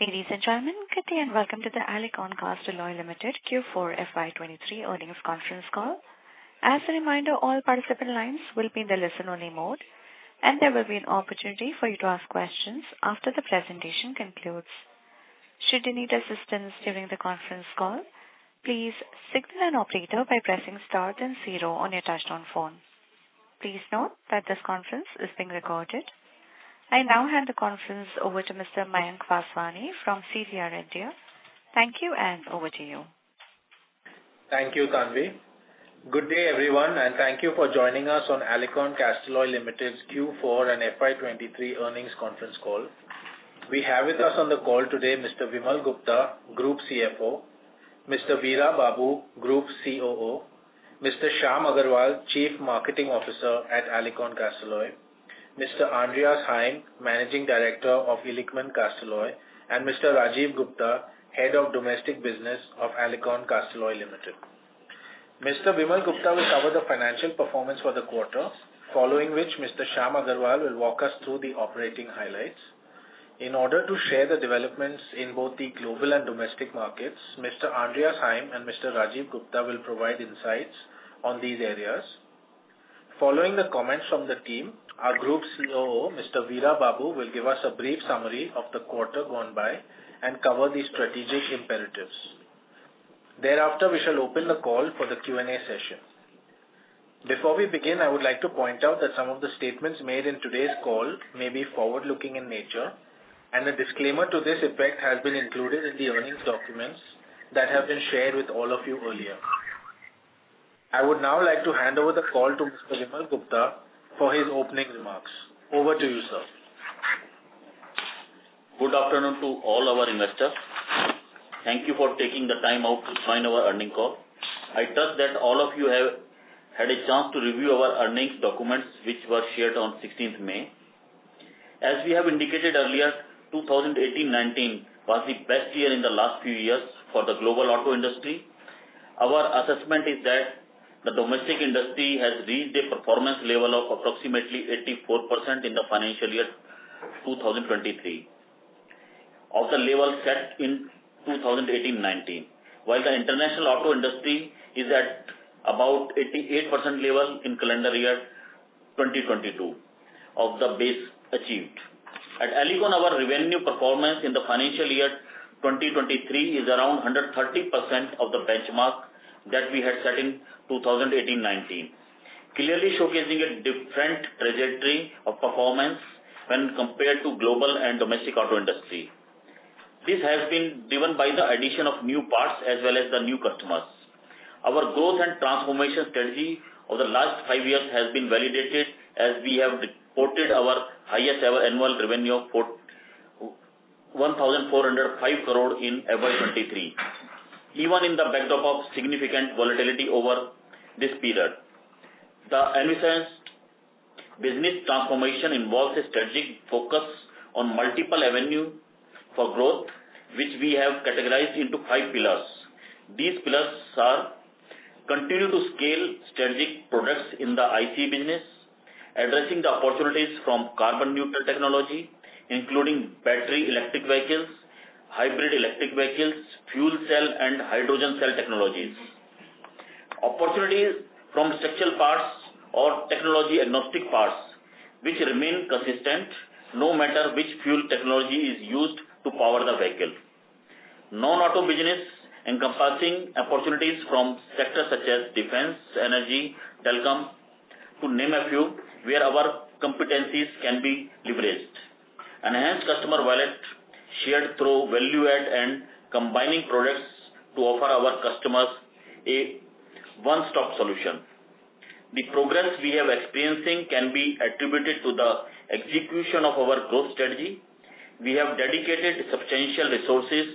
Ladies and gentlemen, good day, welcome to the Alicon Castalloy Limited Q4 FY 23 Earnings Conference Call. As a reminder, all participant lines will be in the listen-only mode, there will be an opportunity for you to ask questions after the presentation concludes. Should you need assistance during the conference call, please signal an operator by pressing star then zero on your touchtone phone. Please note that this conference is being recorded. I now hand the conference over to Mr. Mayank Vaswani from CDR India. Thank you, over to you. Thank you, Tanvi. Good day, everyone, and thank you for joining us on Alicon Castalloy Limited's Q4 and FY23 Earnings Conference Call. We have with us on the call today Mr. Vimal Gupta, Group CFO; Mr. Veerababu, Group COO; Mr. Shyam Agarwal, Chief Marketing Officer at Alicon Castalloy; Mr. Andreas Heim, Managing Director of Illichmann Castalloy; and Mr. Rajiv Gupta, Head of Domestic Business of Alicon Castalloy Limited. Mr. Vimal Gupta will cover the financial performance for the quarter, following which Mr. Shyam Agarwal will walk us through the operating highlights. In order to share the developments in both the global and domestic markets, Mr. Andreas Heim and Mr. R Gupta will provide insights on these areas. Following the comments from the team, our Group COO, Mr. Veerababu, will give us a brief summary of the quarter gone by and cover the strategic imperatives. Thereafter, we shall open the call for the Q&A session. Before we begin, I would like to point out that some of the statements made in today's call may be forward-looking in nature, and a disclaimer to this effect has been included in the earnings documents that have been shared with all of you earlier. I would now like to hand over the call to Mr. Vimal Gupta for his opening remarks. Over to you, sir. Good afternoon to all our investors. Thank you for taking the time out to join our earnings call. I trust that all of you have had a chance to review our earnings documents, which were shared on 16th May. As we have indicated earlier, 2018-2019 was the best year in the last few years for the global auto industry. Our assessment is that the domestic industry has reached a performance level of approximately 84% in the financial year 2023 of the level set in 2018-2019. While the international auto industry is at about 88% level in calendar year 2022 of the base achieved. At Alicon, our revenue performance in the financial year 2023 is around 130% of the benchmark that we had set in 2018-2019, clearly showcasing a different trajectory of performance when compared to global and domestic auto industry. This has been driven by the addition of new parts as well as the new customers. Our growth and transformation strategy over the last 5 years has been validated as we have reported our highest ever annual revenue of 1,405 crore in FY 2023, even in the backdrop of significant volatility over this period. The ambitious business transformation involves a strategic focus on multiple avenue for growth, which we have categorized into five pillars. These pillars are continue to scale strategic products in the ICE business, addressing the opportunities from carbon neutral technology, including battery electric vehicles, hybrid electric vehicles, fuel cell and hydrogen cell technologies. Opportunities from structural parts or technology-agnostic parts which remain consistent no matter which fuel technology is used to power the vehicle. Non-auto business encompassing opportunities from sectors such as defense, energy, telecom, to name a few, where our competencies can be leveraged. Enhanced customer wallet shared through value add and combining products to offer our customers a one-stop solution. The progress we have experiencing can be attributed to the execution of our growth strategy. We have dedicated substantial resources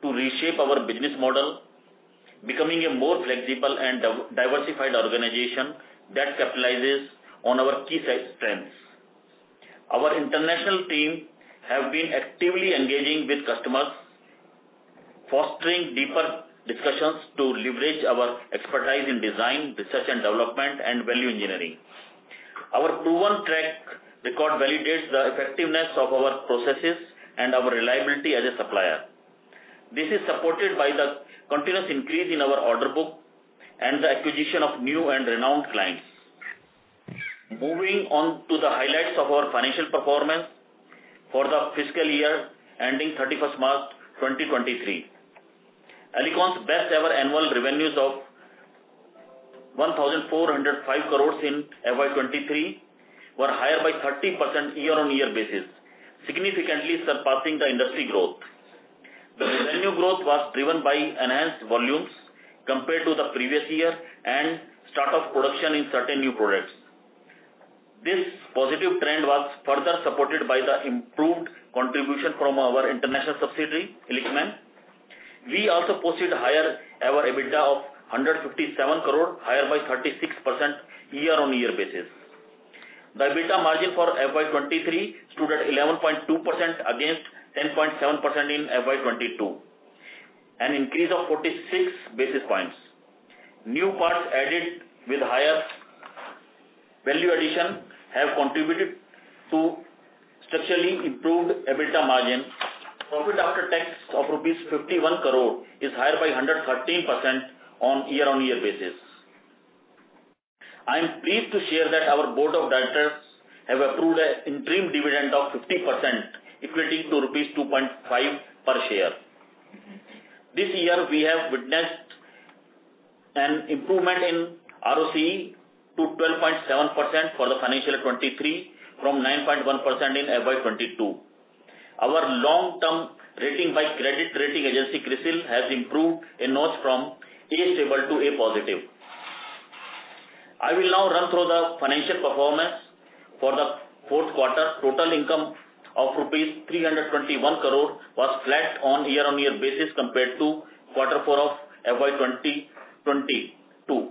to reshape our business model, becoming a more flexible and diversified organization that capitalizes on our key strengths. Our international team have been actively engaging with customers, fostering deeper discussions to leverage our expertise in design, research and development and value engineering. Our proven track record validates the effectiveness of our processes and our reliability as a supplier. This is supported by the continuous increase in our order book and the acquisition of new and renowned clients. Moving on to the highlights of our financial performance for the fiscal year ending 31st March 2023. Alicon's best ever annual revenues of 1,405 crores in FY 2023 were higher by 30% year-on-year basis, significantly surpassing the industry growth. The revenue growth was driven by enhanced volumes compared to the previous year and start of production in certain new products. This positive trend was further supported by the improved contribution from our international subsidiary, Illichmann. We also posted higher ever EBITDA of 157 crore, higher by 36% year-on-year basis. The EBITDA margin for FY 2023 stood at 11.2% against 10.7% in FY 2022, an increase of 46 basis points. New parts added with higher value addition have contributed to structurally improved EBITDA margin. Profit after tax of 51 crore rupees is higher by 113% year-on-year basis. I am pleased to share that our board of directors have approved a interim dividend of 50% equating to rupees 2.5 per share. This year we have witnessed an improvement in ROCE to 12.7% for the financial 2023 from 9.1% in FY 2022. Our long-term rating by credit rating agency CRISIL has improved a notch from A stable to A positive. I will now run through the financial performance for the fourth quarter. Total income of rupees 321 crore was flat on year-on-year basis compared to quarter four of FY 2022.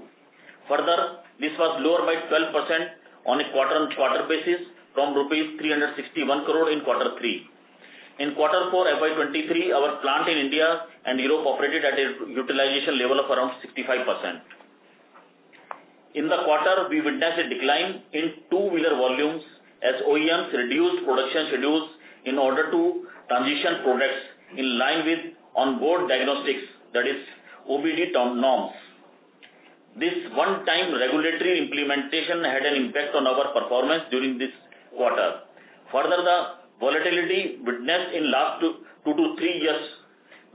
This was lower by 12% on a quarter-on-quarter basis from rupees 361 crore in quarter three. In quarter four FY 2023, our plant in India and Europe operated at a utilization level of around 65%. In the quarter, we witnessed a decline in two-wheeler volumes as OEMs reduced production schedules in order to transition products in line with on-board diagnostics, that is OBD norms. This one-time regulatory implementation had an impact on our performance during this quarter. The volatility witnessed in last two to three years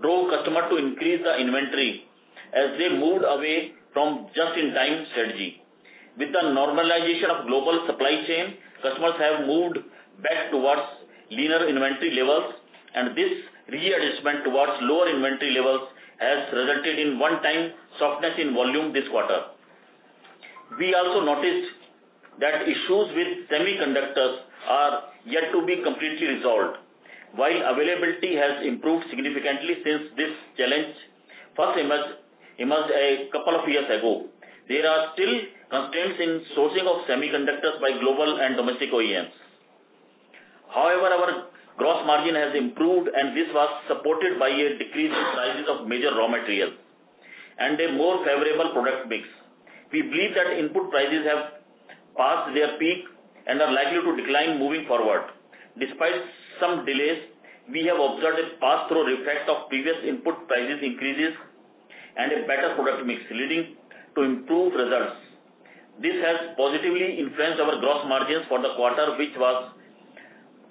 drove customers to increase the inventory as they moved away from just-in-time strategy. With the normalization of global supply chain, customers have moved back towards leaner inventory levels, this readjustment towards lower inventory levels has resulted in one-time softness in volume this quarter. We also noticed that issues with semiconductors are yet to be completely resolved. While availability has improved significantly since this challenge first emerged a couple of years ago, there are still constraints in sourcing of semiconductors by global and domestic OEMs. Our gross margin has improved, this was supported by a decrease in prices of major raw materials and a more favorable product mix. We believe that input prices have passed their peak and are likely to decline moving forward. Despite some delays, we have observed a pass-through effect of previous input prices increases and a better product mix leading to improved results. This has positively influenced our gross margins for the quarter, which was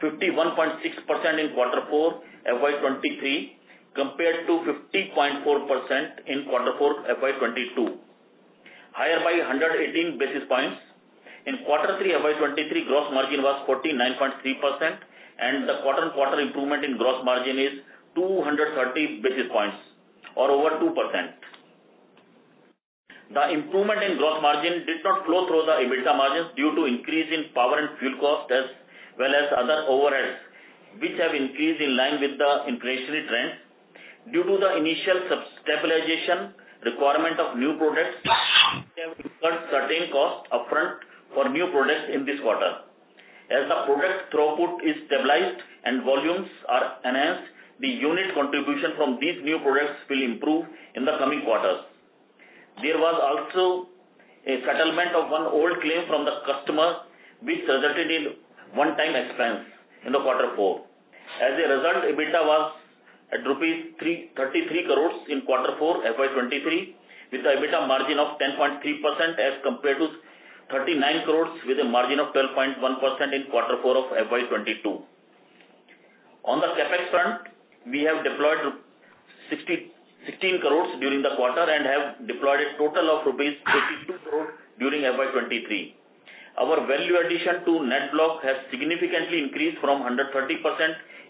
51.6% in quater four FY 2023 compared to 50.4% in quarter four FY 2022, higher by 118 basis points. In quarter three FY 2023, gross margin was 49.3%. The quarter-on-quarter improvement in gross margin is 230 basis points or over 2%. The improvement in gross margin did not flow through the EBITDA margins due to increase in power and fuel costs, as well as other overheads, which have increased in line with the inflationary trends. Due to the initial sub-stabilization requirement of new products, we have incurred certain costs upfront for new products in this quarter. As the product throughput is stabilized and volumes are enhanced, the unit contribution from these new products will improve in the coming quarters. There was also a settlement of one old claim from the customer, which resulted in one-time expense in the quarter four. As a result, EBITDA was at 33 crores rupees in quarter four FY 2023, with the EBITDA margin of 10.3% as compared to 39 crores with a margin of 12.1% in quarter four of FY 2022. On the CapEx front, we have deployed 16 crores during the quarter and have deployed a total of rupees 82 crores during FY 2023. Our value addition to net block has significantly increased from 130%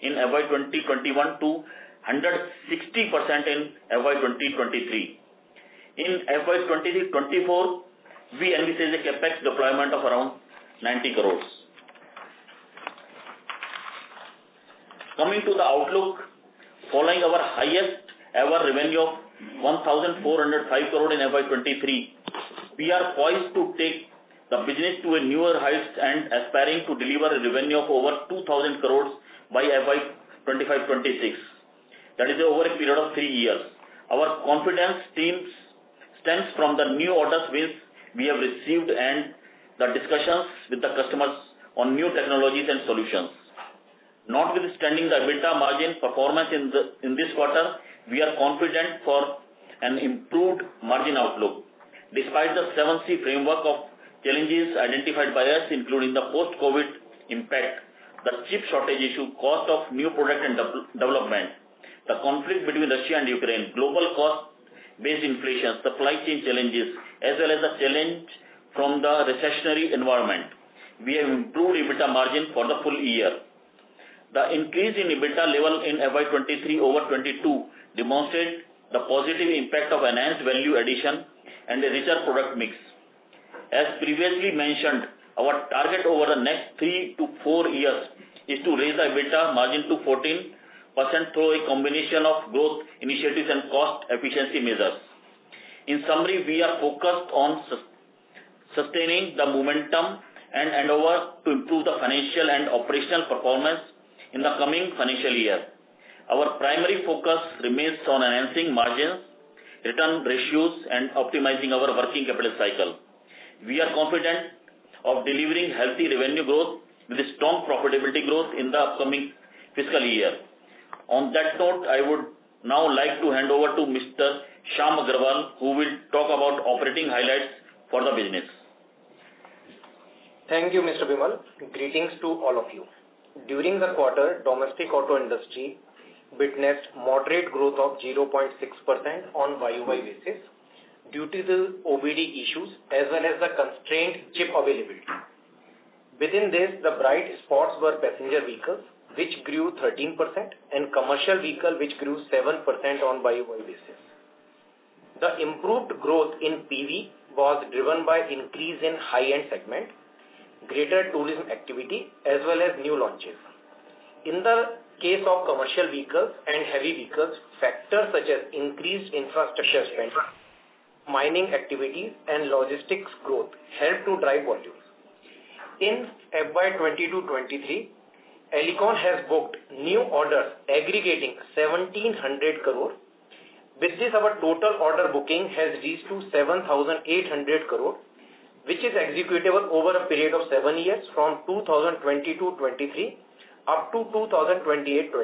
in FY 2021 to 160% in FY 2023. In FY 2024, we anticipate CapEx deployment of around 90 crores. Coming to the outlook, following our highest ever revenue of 1,405 crore in FY 2023, we are poised to take the business to a newer heights and aspiring to deliver a revenue of over 2,000 crores by FY 2025-2026. That is over a period of three years. Our confidence stems from the new orders which we have received and the discussions with the customers on new technologies and solutions. Notwithstanding the EBITDA margin performance in this quarter, we are confident for an improved margin outlook. Despite the 7C framework of challenges identified by us, including the post-COVID impact, the chip shortage issue, cost of new product and development, the conflict between Russia and Ukraine, global cost-based inflation, supply chain challenges, as well as the challenge from the recessionary environment, we have improved EBITDA margin for the full year. The increase in EBITDA level in FY 2023 over 2022 demonstrate the positive impact of enhanced value addition and a richer product mix. As previously mentioned, our target over the next three to four years is to raise the EBITDA margin to 14% through a combination of growth initiatives and cost efficiency measures. In summary, we are focused on sustaining the momentum and endeavor to improve the financial and operational performance in the coming financial year. Our primary focus remains on enhancing margins, return ratios, and optimizing our working capital cycle. We are confident of delivering healthy revenue growth with a strong profitability growth in the upcoming fiscal year. On that note, I would now like to hand over to Mr. Shyam Agarwal, who will talk about operating highlights for the business. Thank you, Mr. Vimal. Greetings to all of you. During the quarter, domestic auto industry witnessed moderate growth of 0.6% on year-over-year basis due to the OBD issues as well as the constrained chip availability. Within this, the bright spots were passenger vehicles, which grew 13%, and commercial vehicle, which grew 7% on year-over-year basis. The improved growth in PV was driven by increase in high-end segment, greater tourism activity, as well as new launches. In the case of commercial vehicles and heavy vehicles, factors such as increased infrastructure spend, mining activities and logistics growth helped to drive volumes. In FY 2022-2023, Alicon has booked new orders aggregating 1,700 crore. With this, our total order booking has reached to 7,800 crore, which is executable over a period of seven years from 2020-2023 up to 2028-2029.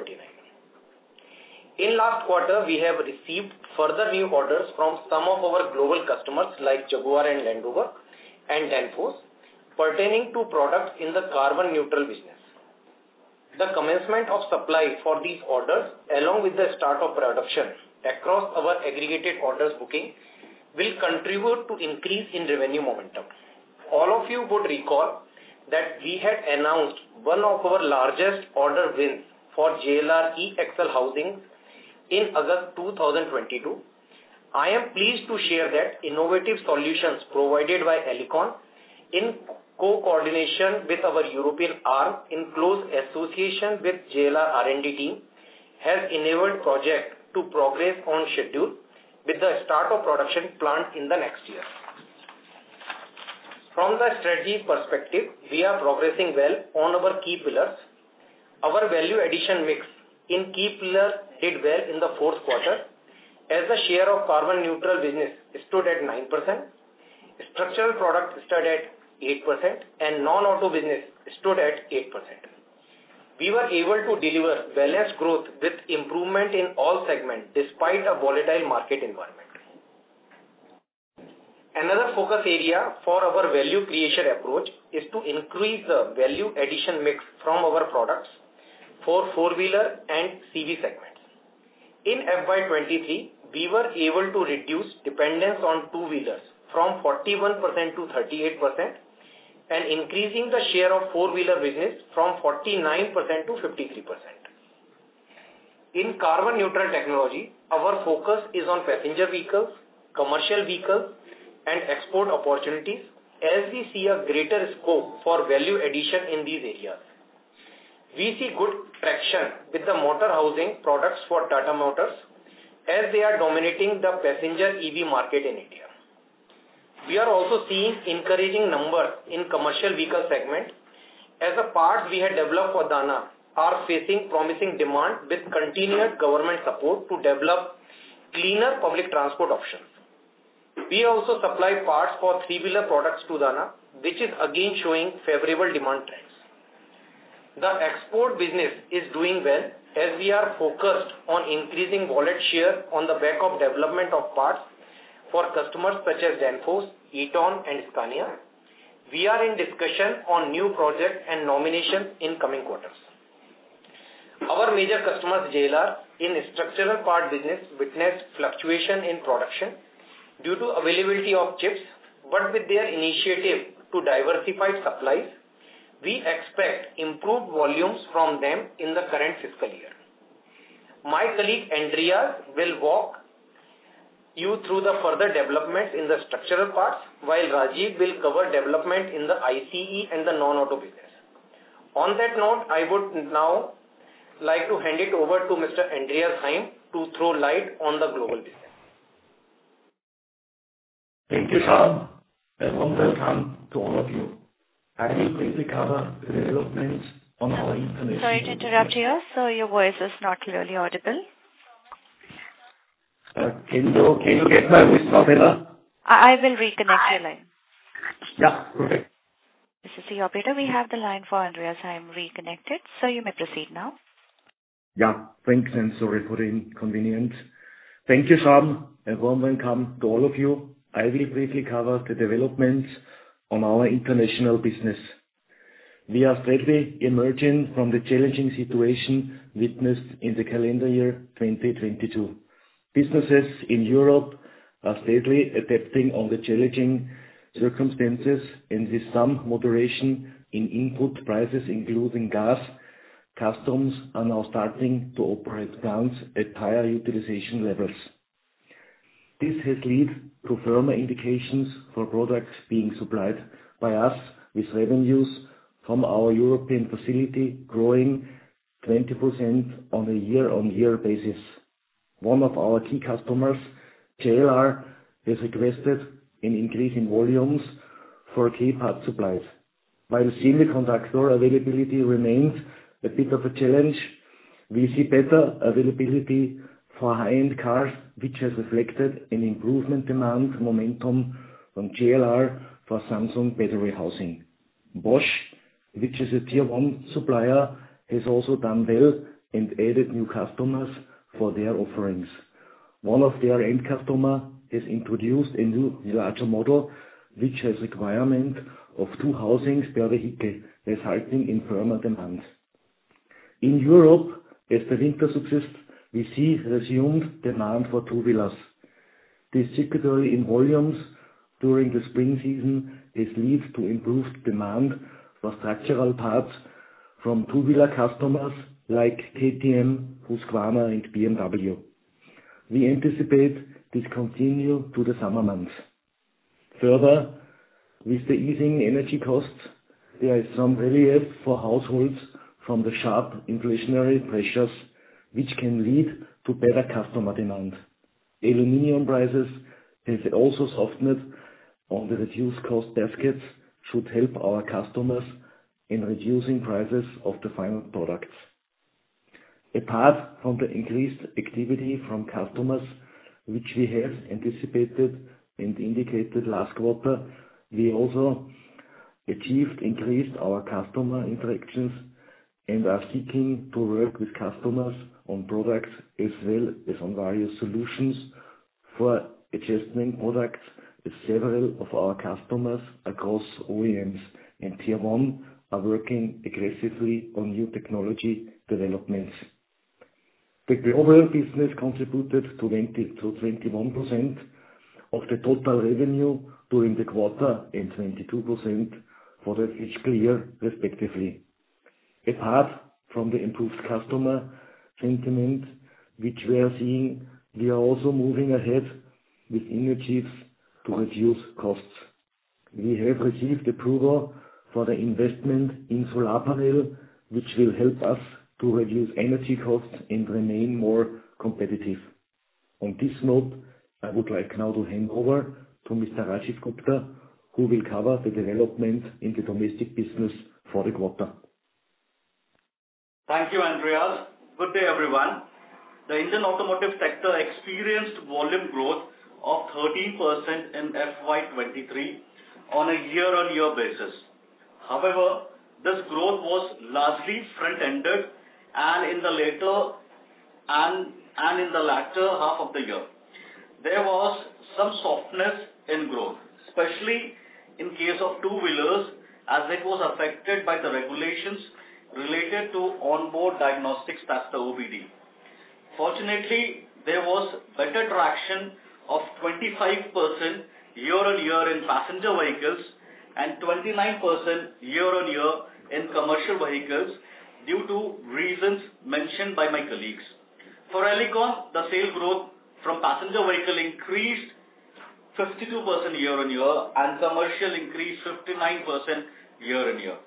In last quarter, we have received further new orders from some of our global customers like Jaguar and Land Rover and Danfoss pertaining to products in the carbon neutral business. The commencement of supply for these orders, along with the start of production across our aggregated orders booking, will contribute to increase in revenue momentum. All of you would recall that we had announced one of our largest order wins for JLR eAxle housing in August 2022. I am pleased to share that innovative solutions provided by Alicon in coordination with our European arm in close association with JLR R&D team, has enabled project to progress on schedule with the start of production planned in the next year. From the strategy perspective, we are progressing well on our key pillars. Our value addition mix in key pillars did well in the fourth quarter as the share of carbon neutral business stood at 9%, structural products stood at 8% and non-auto business stood at 8%. We were able to deliver balanced growth with improvement in all segments despite a volatile market environment. Another focus area for our value creation approach is to increase the value addition mix from our products for four-wheeler and CV segments. In FY 2023, we were able to reduce dependence on two-wheelers from 41% to 38% and increasing the share of four-wheeler business from 49%-53%. In carbon neutral technology, our focus is on passenger vehicles, commercial vehicles and export opportunities as we see a greater scope for value addition in these areas. We see good traction with the motor housing products for Tata Motors as they are dominating the passenger EV market in India. We are also seeing encouraging numbers in commercial vehicle segment as the parts we have developed for Dana are facing promising demand with continued government support to develop cleaner public transport options. We also supply parts for three-wheeler products to Dana, which is again showing favorable demand trends. The export business is doing well as we are focused on increasing wallet share on the back of development of parts for customers such as Danfoss, Eaton and Scania. We are in discussion on new projects and nominations in coming quarters. Our major customer, JLR, in structural part business witnessed fluctuation in production due to availability of chips, but with their initiative to diversify supplies, we expect improved volumes from them in the current fiscal year. My colleague, Andreas, will walk you through the further developments in the structural parts, while Rajiv will cover development in the ICE and the non-auto business. On that note, I would now like to hand it over to Mr. Andreas Heim to throw light on the global business. Thank you, Shyam, and a warm welcome to all of you. I will briefly cover developments on our international- Sorry to interrupt you, sir. Your voice is not clearly audible. Can you get my voice properly, sir? I will reconnect your line. Yeah, perfect. This is the operator. We have the line for Andreas Heim reconnected. Sir, you may proceed now. Yeah, thanks and sorry for the inconvenience. Thank you, Shyam, and a warm welcome to all of you. I will briefly cover the developments on our international business. We are steadily emerging from the challenging situation witnessed in the calendar year 2022. Businesses in Europe are steadily adapting on the challenging circumstances and with some moderation in input prices, including gas, customers are now starting to operate plants at higher utilization levels. This has led to firmer indications for products being supplied by us, with revenues from our European facility growing 20% on a year-on-year basis. One of our key customers, JLR, has requested an increase in volumes for key part supplies. While semiconductor availability remains a bit of a challenge, we see better availability for high-end cars, which has reflected an improvement demand momentum from JLR for Samsung battery housing. Bosch, which is a tier one supplier, has also done well and added new customers for their offerings. One of their end customers has a requirement of two housings per vehicle, resulting in firmer demands. In Europe, as the winter subsists, we see resumed demand for two-wheelers. This cyclicality in volumes during the spring season has led to improved demand for structural parts from two-wheeler customers like KTM, Husqvarna, and BMW. We anticipate this to continue to the summer months. Further, with the easing energy costs, there is some relief for households from the sharp inflationary pressures, which can lead to better customer demand. Aluminum prices have also softened on the reduced cost baskets should help our customers in reducing prices of the final products. Apart from the increased activity from customers, which we have anticipated and indicated last quarter, we also achieved increase our customer interactions and are seeking to work with customers on products as well as on various solutions for adjustment products, as several of our customers across OEMs and tier one are working aggressively on new technology developments. The global business contributed 20%-21% of the total revenue during the quarter, and 22% for the fiscal year respectively. Apart from the improved customer sentiment which we are seeing, we are also moving ahead with initiatives to reduce costs. We have received approval for the investment in solar panel, which will help us to reduce energy costs and remain more competitive. On this note, I would like now to hand over to Mr. Rajiv Gupta, who will cover the development in the domestic business for the quarter. Thank you, Andreas. Good day, everyone. The Indian automotive sector experienced volume growth of 13% in FY 2023 on a year-on-year basis. However, this growth was largely front-ended, and in the latter half of the year. There was some softness in growth, especially in case of two-wheelers, as it was affected by the regulations related to on-board diagnostics tester, OBD. Fortunately, there was better traction of 25% year-on-year in passenger vehicles and 29% year-on-year in commercial vehicles due to reasons mentioned by my colleagues. For Alicon, the sale growth from passenger vehicle increased 52% year-on-year and commercial increased 59% year-on-year.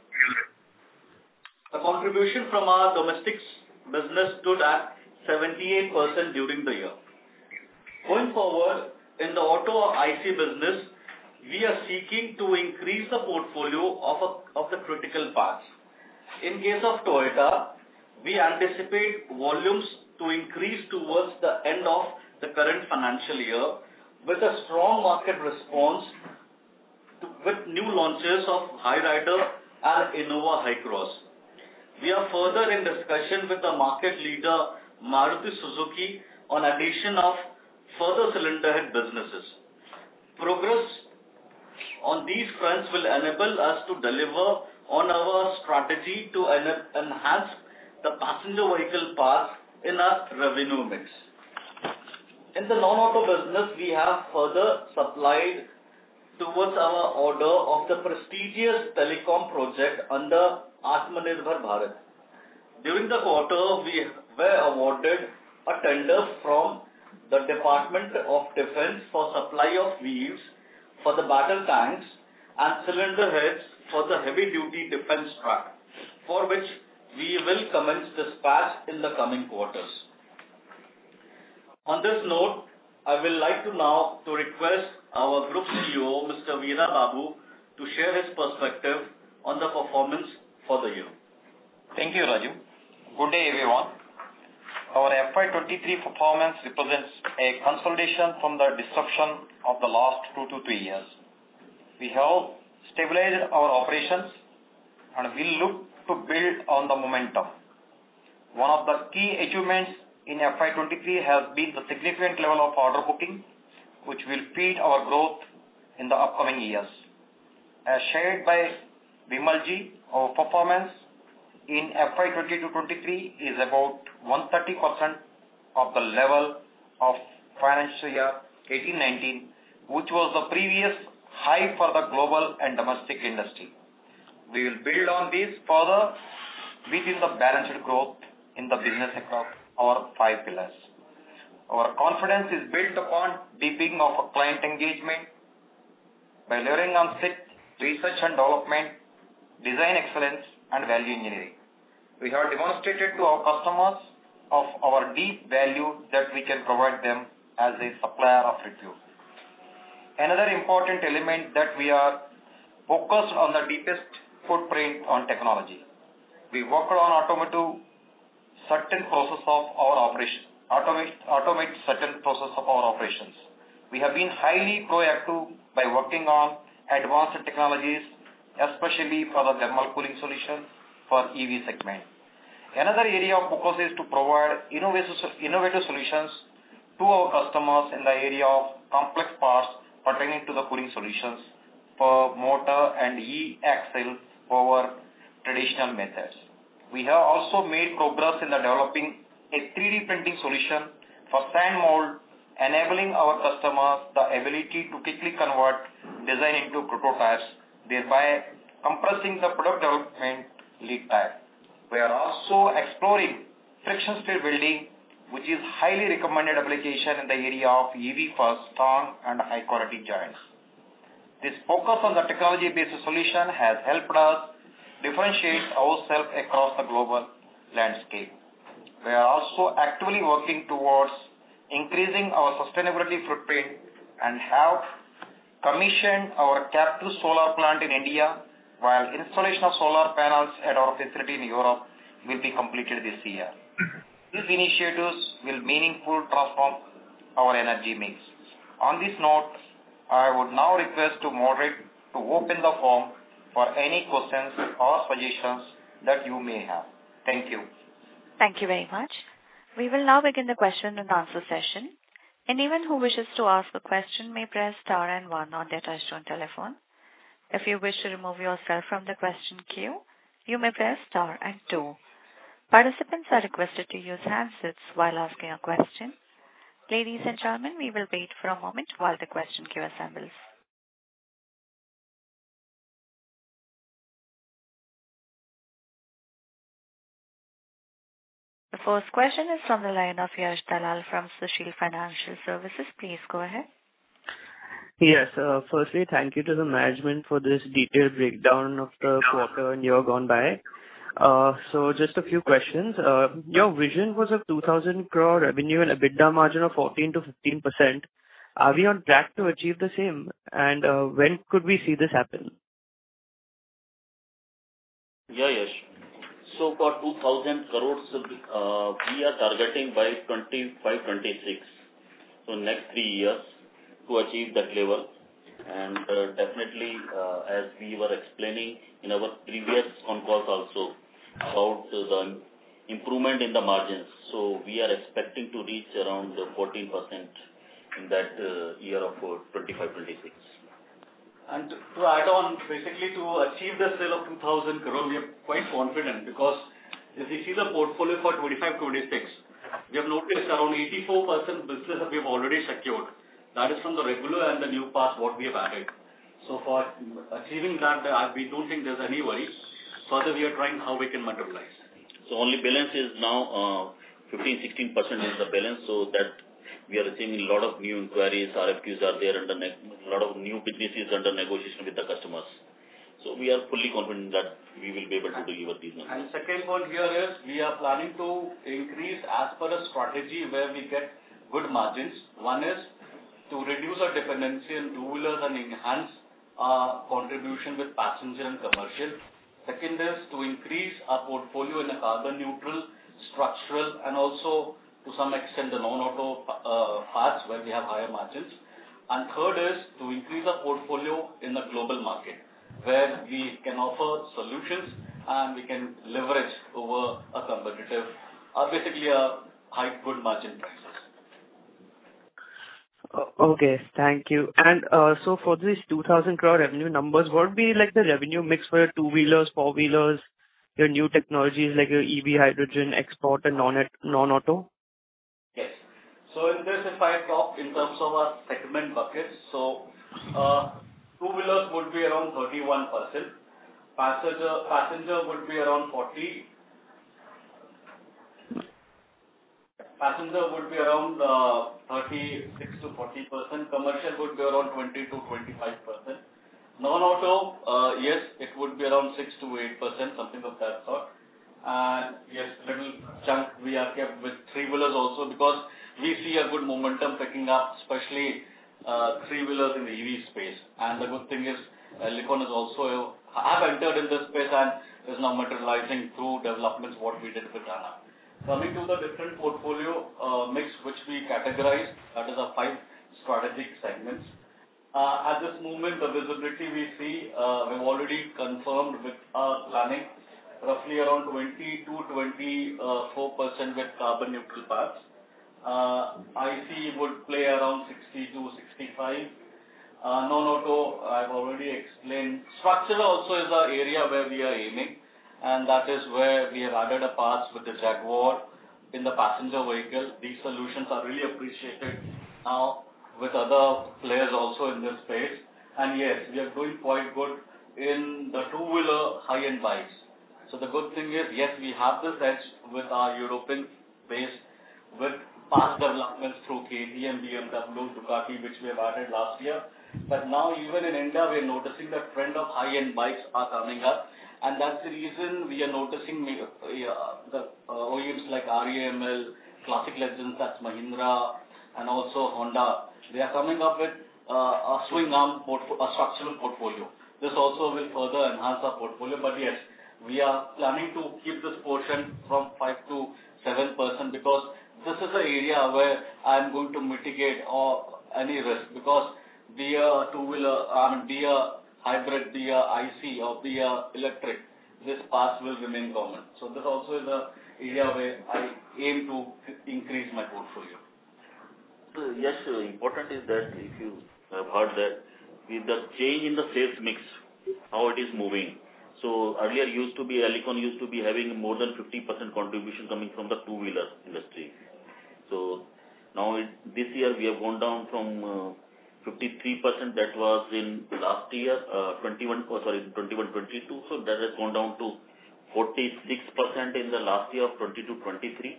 The contribution from our domestics business stood at 78% during the year. Going forward, in the auto ICE business, we are seeking to increase the portfolio of the critical parts. In case of Toyota, we anticipate volumes to increase towards the end of the current financial year, with a strong market response with new launches of Hyryder and Innova HyCross. We are further in discussion with the market leader, Maruti Suzuki, on addition of further cylinder head businesses. Progress on these fronts will enable us to deliver on our strategy to enhance the passenger vehicle parts in our revenue mix. In the non-auto business, we have further supplied towards our order of the prestigious telecom project under Atmanirbhar Bharat. During the quarter, we were awarded a tenders from the Ministry of Defence for supply of wheels for the battle tanks and cylinder heads for the heavy-duty defense track, for which we will commence dispatch in the coming quarters. On this note, I would like to now to request our Group CEO, Mr. Veerababu, to share his perspective on the performance for the year. Thank you, Rajiv. Good day, everyone. Our FY 2023 performance represents a consolidation from the disruption of the last two to three years. We have stabilized our operations, we look to build on the momentum. One of the key achievements in FY 2023 has been the significant level of order booking, which will feed our growth in the upcoming years. As shared by Vimal-ji, our performance in FY 2022, 2023 is about 130% of the level of financial year 2018, 2019, which was the previous high for the global and domestic industry. We will build on this further within the balanced growth in the business across our five pillars. Our confidence is built upon deepening of our client engagement by delivering on six research and development, design excellence and value engineering. We have demonstrated to our customers of our deep value that we can provide them as a supplier of ritual. Another important element that we are focused on the deepest footprint on technology. We work around automotive certain process of our operation, automate certain process of our operations. We have been highly proactive by working on advanced technologies, especially for the thermal cooling solution for EV segment. Another area of focus is to provide innovation, innovative solutions to our customers in the area of complex parts pertaining to the cooling solutions for motor and e-axle over traditional methods. We have also made progress in the developing a 3D printing solution for sand mold, enabling our customers the ability to quickly convert design into prototypes, thereby compressing the product development lead time. We are also exploring friction stir welding, which is highly recommended application in the area of EV for strong and high quality joints. This focus on the technology-based solution has helped us differentiate ourself across the global landscape. We are also actively working towards increasing our sustainability footprint and have commissioned our captive solar plant in India, while installation of solar panels at our facility in Europe will be completed this year. These initiatives will meaningful transform our energy mix. On this note, I would now request to moderate to open the forum for any questions or suggestions that you may have. Thank you. Thank you very much. We will now begin the question-and-answer session. Anyone who wishes to ask a question may press star and one on their touch-tone telephone. If you wish to remove yourself from the question queue, you may press star and two. Participants are requested to use handsets while asking a question. Ladies and gentlemen, we will wait for a moment while the question queue assembles. The first question is from the line of Yash Dalal from Sushil Financial Services. Please go ahead. Yes. firstly, thank you to the management for this detailed breakdown of the quarter and year gone by. just a few questions. your vision was of 2,000 crore revenue and a EBITDA margin of 14%-15%. Are we on track to achieve the same? when could we see this happen? Yash. For 2,000 crores, we are targeting by 2025-2026. Next three years to achieve that level. Definitely, as we were explaining in our previous concourse also about the improvement in the margins, we are expecting to reach around 14% in that year of 2025-2026. To add on, basically to achieve the sale of 2,000 crore, we are quite confident because if you see the portfolio for 2025, 2026, we have noticed around 84% business we have already secured. That is from the regular and the new parts what we have added. For achieving that, we don't think there's any worry. Further, we are trying how we can materialize. Only balance is now 15%, 16% is the balance, so that we are seeing a lot of new inquiries. RFQs are there under a lot of new businesses under negotiation with the customers. We are fully confident that we will be able to deliver these numbers. Second one here is we are planning to increase as per a strategy where we get good margins. One is to reduce our dependency on two-wheelers and enhance our contribution with passenger and commercial. Second is to increase our portfolio in the carbon neutral, structural and also to some extent the non-auto parts where we have higher margins. Third is to increase our portfolio in the global market, where we can offer solutions and we can leverage over a competitive or basically a high good margin prices. Okay, thank you. For this 2,000 crore revenue numbers, what would be like the revenue mix for your two-wheelers, four-wheelers, your new technologies like your EV hydrogen export and non-auto? In this, if I talk in terms of our segment buckets, two-wheelers would be around 31%. Passenger would be around 40. Passenger would be around 36%-40%. Commercial would be around 20%-25%. Non-auto, yes, it would be around 6%-8%, something of that sort. Yes, little chunk we have kept with three-wheelers also because we see a good momentum picking up, especially three-wheelers in the EV space. The good thing is, Alicon is also have entered in this space and is now materializing through developments what we did with Ana. Coming to the different portfolio mix which we categorized, that is our five strategic segments. At this moment, the visibility we see, we've already confirmed with our planning roughly around 20%-24% with carbon neutral parts. ICE would play around 60%-65%. Non-auto, I've already explained. Structural also is our area where we are aiming, and that is where we have added a parts with the Jaguar in the passenger vehicle. These solutions are really appreciated now with other players also in this space. Yes, we are doing quite good in the two-wheeler high-end bikes. The good thing is, yes, we have this edge with our European-based With past developments through KTM, BMW, Ducati, which we have added last year. Now even in India, we are noticing the trend of high-end bikes are coming up. That's the reason we are noticing yeah, the OEMs like REML, Classic Legends, that's Mahindra and also Honda, they are coming up with a swing arm structural portfolio. This also will further enhance our portfolio. Yes, we are planning to keep this portion from 5%-7% because this is a area where I'm going to mitigate or any risk because be a two-wheeler, I mean, be a hybrid, be a IC or be a electric, this part will remain common. This also is a area where I aim to increase my portfolio. Important is that if you have heard that with the change in the sales mix, how it is moving. Earlier used to be, Alicon used to be having more than 50% contribution coming from the two-wheeler industry. Now it's, this year we have gone down from 53% that was in last year, 2021, 2022. That has gone down to 46% in the last year of 2022, 2023.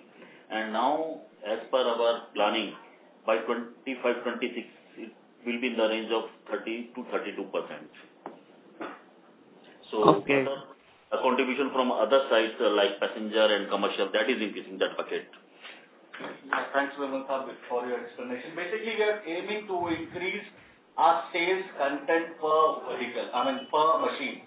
Now as per our planning, by 2025, 2026 it will be in the range of 30%-32%. Okay. The contribution from other sides like passenger and commercial, that is increasing that bucket. Yeah, thanks, Hemanth for your explanation. Basically, we are aiming to increase our sales content per vehicle, I mean, per machine.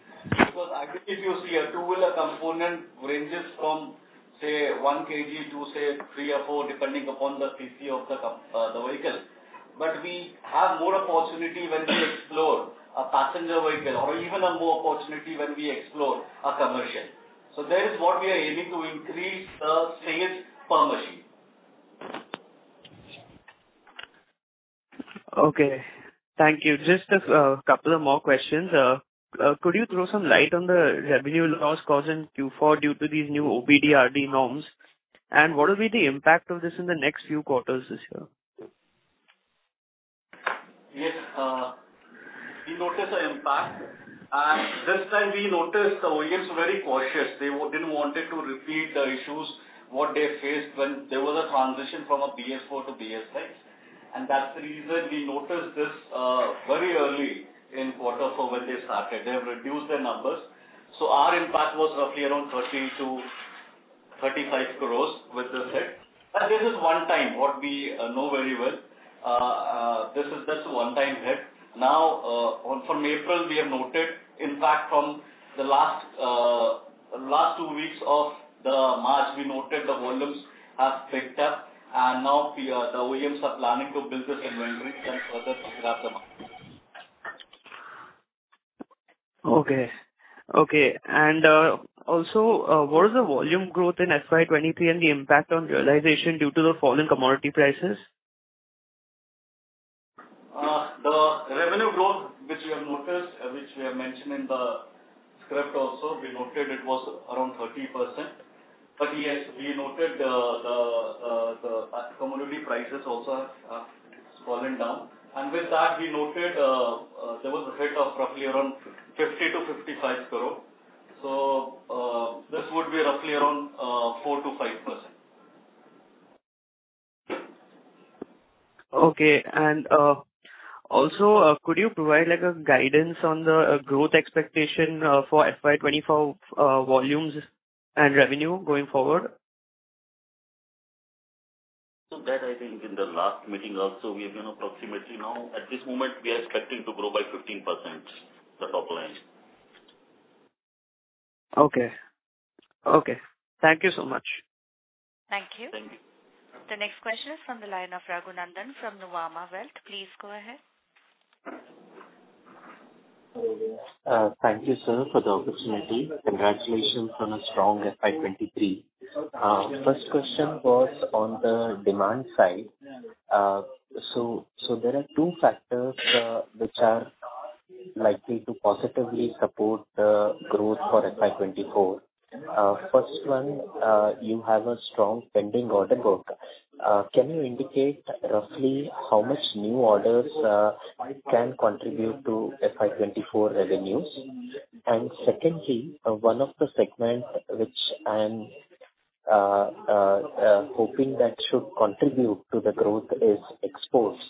I think if you see a two-wheeler component ranges from, say, one kg to, say, three or four, depending upon the cc of the vehicle. We have more opportunity when we explore a passenger vehicle or even a more opportunity when we explore a commercial. That is what we are aiming to increase the sales per machine. Okay. Thank you. Just a couple of more questions. Could you throw some light on the revenue loss caused in Q4 due to these new OBD-RD norms? What will be the impact of this in the next few quarters this year? Yes, we noticed the impact this time we noticed the OEMs very cautious. They didn't wanted to repeat the issues, what they faced when there was a transition from a BS4 to BS6. That's the reason we noticed this very early in quarter four when they started. They have reduced their numbers. Our impact was roughly around 13 crores-35 crores with this hit. This is one time what we know very well. This is just a one time hit. Now, on from April, we have noted, in fact from the last two weeks of the March, we noted the volumes have picked up and now we are, the OEMs are planning to build this inventory and further pick it up the market. Okay. Okay. Also, what is the volume growth in FY 2023 and the impact on realization due to the fall in commodity prices? The revenue growth which we have noticed, which we have mentioned in the script also, we noted it was around 30%. We noted the commodity prices also have fallen down. With that, we noted there was a hit of roughly around 50 crore-55 crore. This would be roughly around 4%-5%. Okay. Also, could you provide like a guidance on the growth expectation for FY 2024 volumes and revenue going forward? That I think in the last meeting also we have been approximately now at this moment we are expecting to grow by 15% the top line. Okay. Okay. Thank you so much. Thank you. Thank you. The next question is from the line of Raghunandhan from Nuvama Wealth. Please go ahead. Thank you, sir, for the opportunity. Congratulations on a strong FY 2023. First question was on the demand side. So there are two factors which are likely to positively support the growth for FY 2024. First one, you have a strong pending order book. Can you indicate roughly how much new orders can contribute to FY 2024 revenues? Secondly, one of the segments which I'm hoping that should contribute to the growth is exports.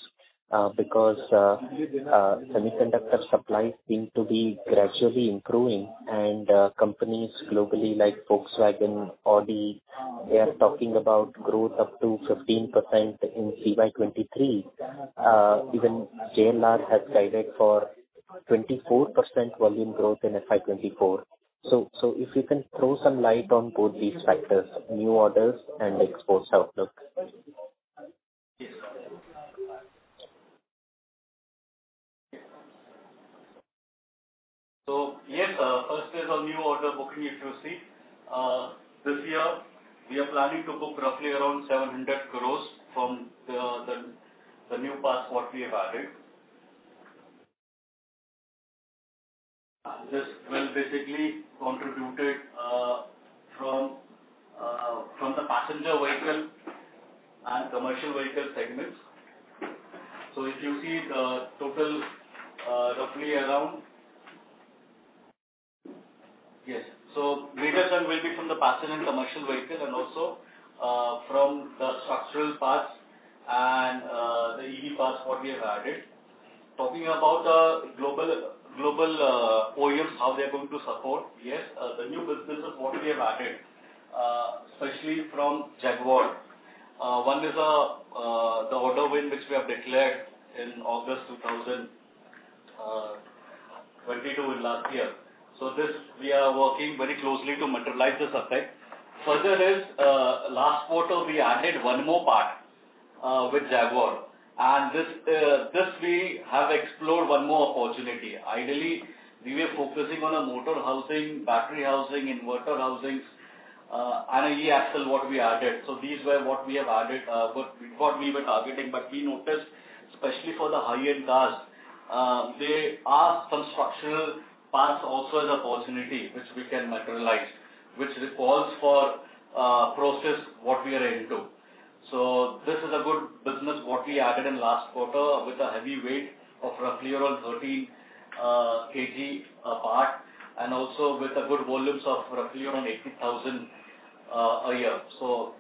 Because semiconductor supply seem to be gradually improving and companies globally like Volkswagen, Audi, they are talking about growth up to 15% in CY 2023. Even JLR has guided for 24% volume growth in FY 2024. If you can throw some light on both these factors, new orders and exports outlook. Yes. First is on new order booking. If you see, this year we are planning to book roughly around 700 crore from the new parts what we have added. This will basically contributed from the passenger vehicle and commercial vehicle segments. Major chunk will be from the passenger and commercial vehicle and also from the structural parts and the EV parts what we have added. Talking about the global OEMs, how they're going to support, yes, the new business of what we have added, especially from Jaguar. One is the order win which we have declared in August 2022 in last year. This we are working very closely to materialize the same. Further is, last quarter we added one more part with Jaguar. This we have explored one more opportunity. Ideally, we were focusing on a motor housing, battery housing, inverter housings, and a e-axle what we added. These were what we have added, what we were targeting. We noticed especially for the high-end cars, there are some structural parts also as opportunity which we can materialize, which calls for process what we are into. This is a good business what we added in last quarter with a heavy weight of roughly around 13 kg part, and also with a good volumes of roughly around 80,000 a year.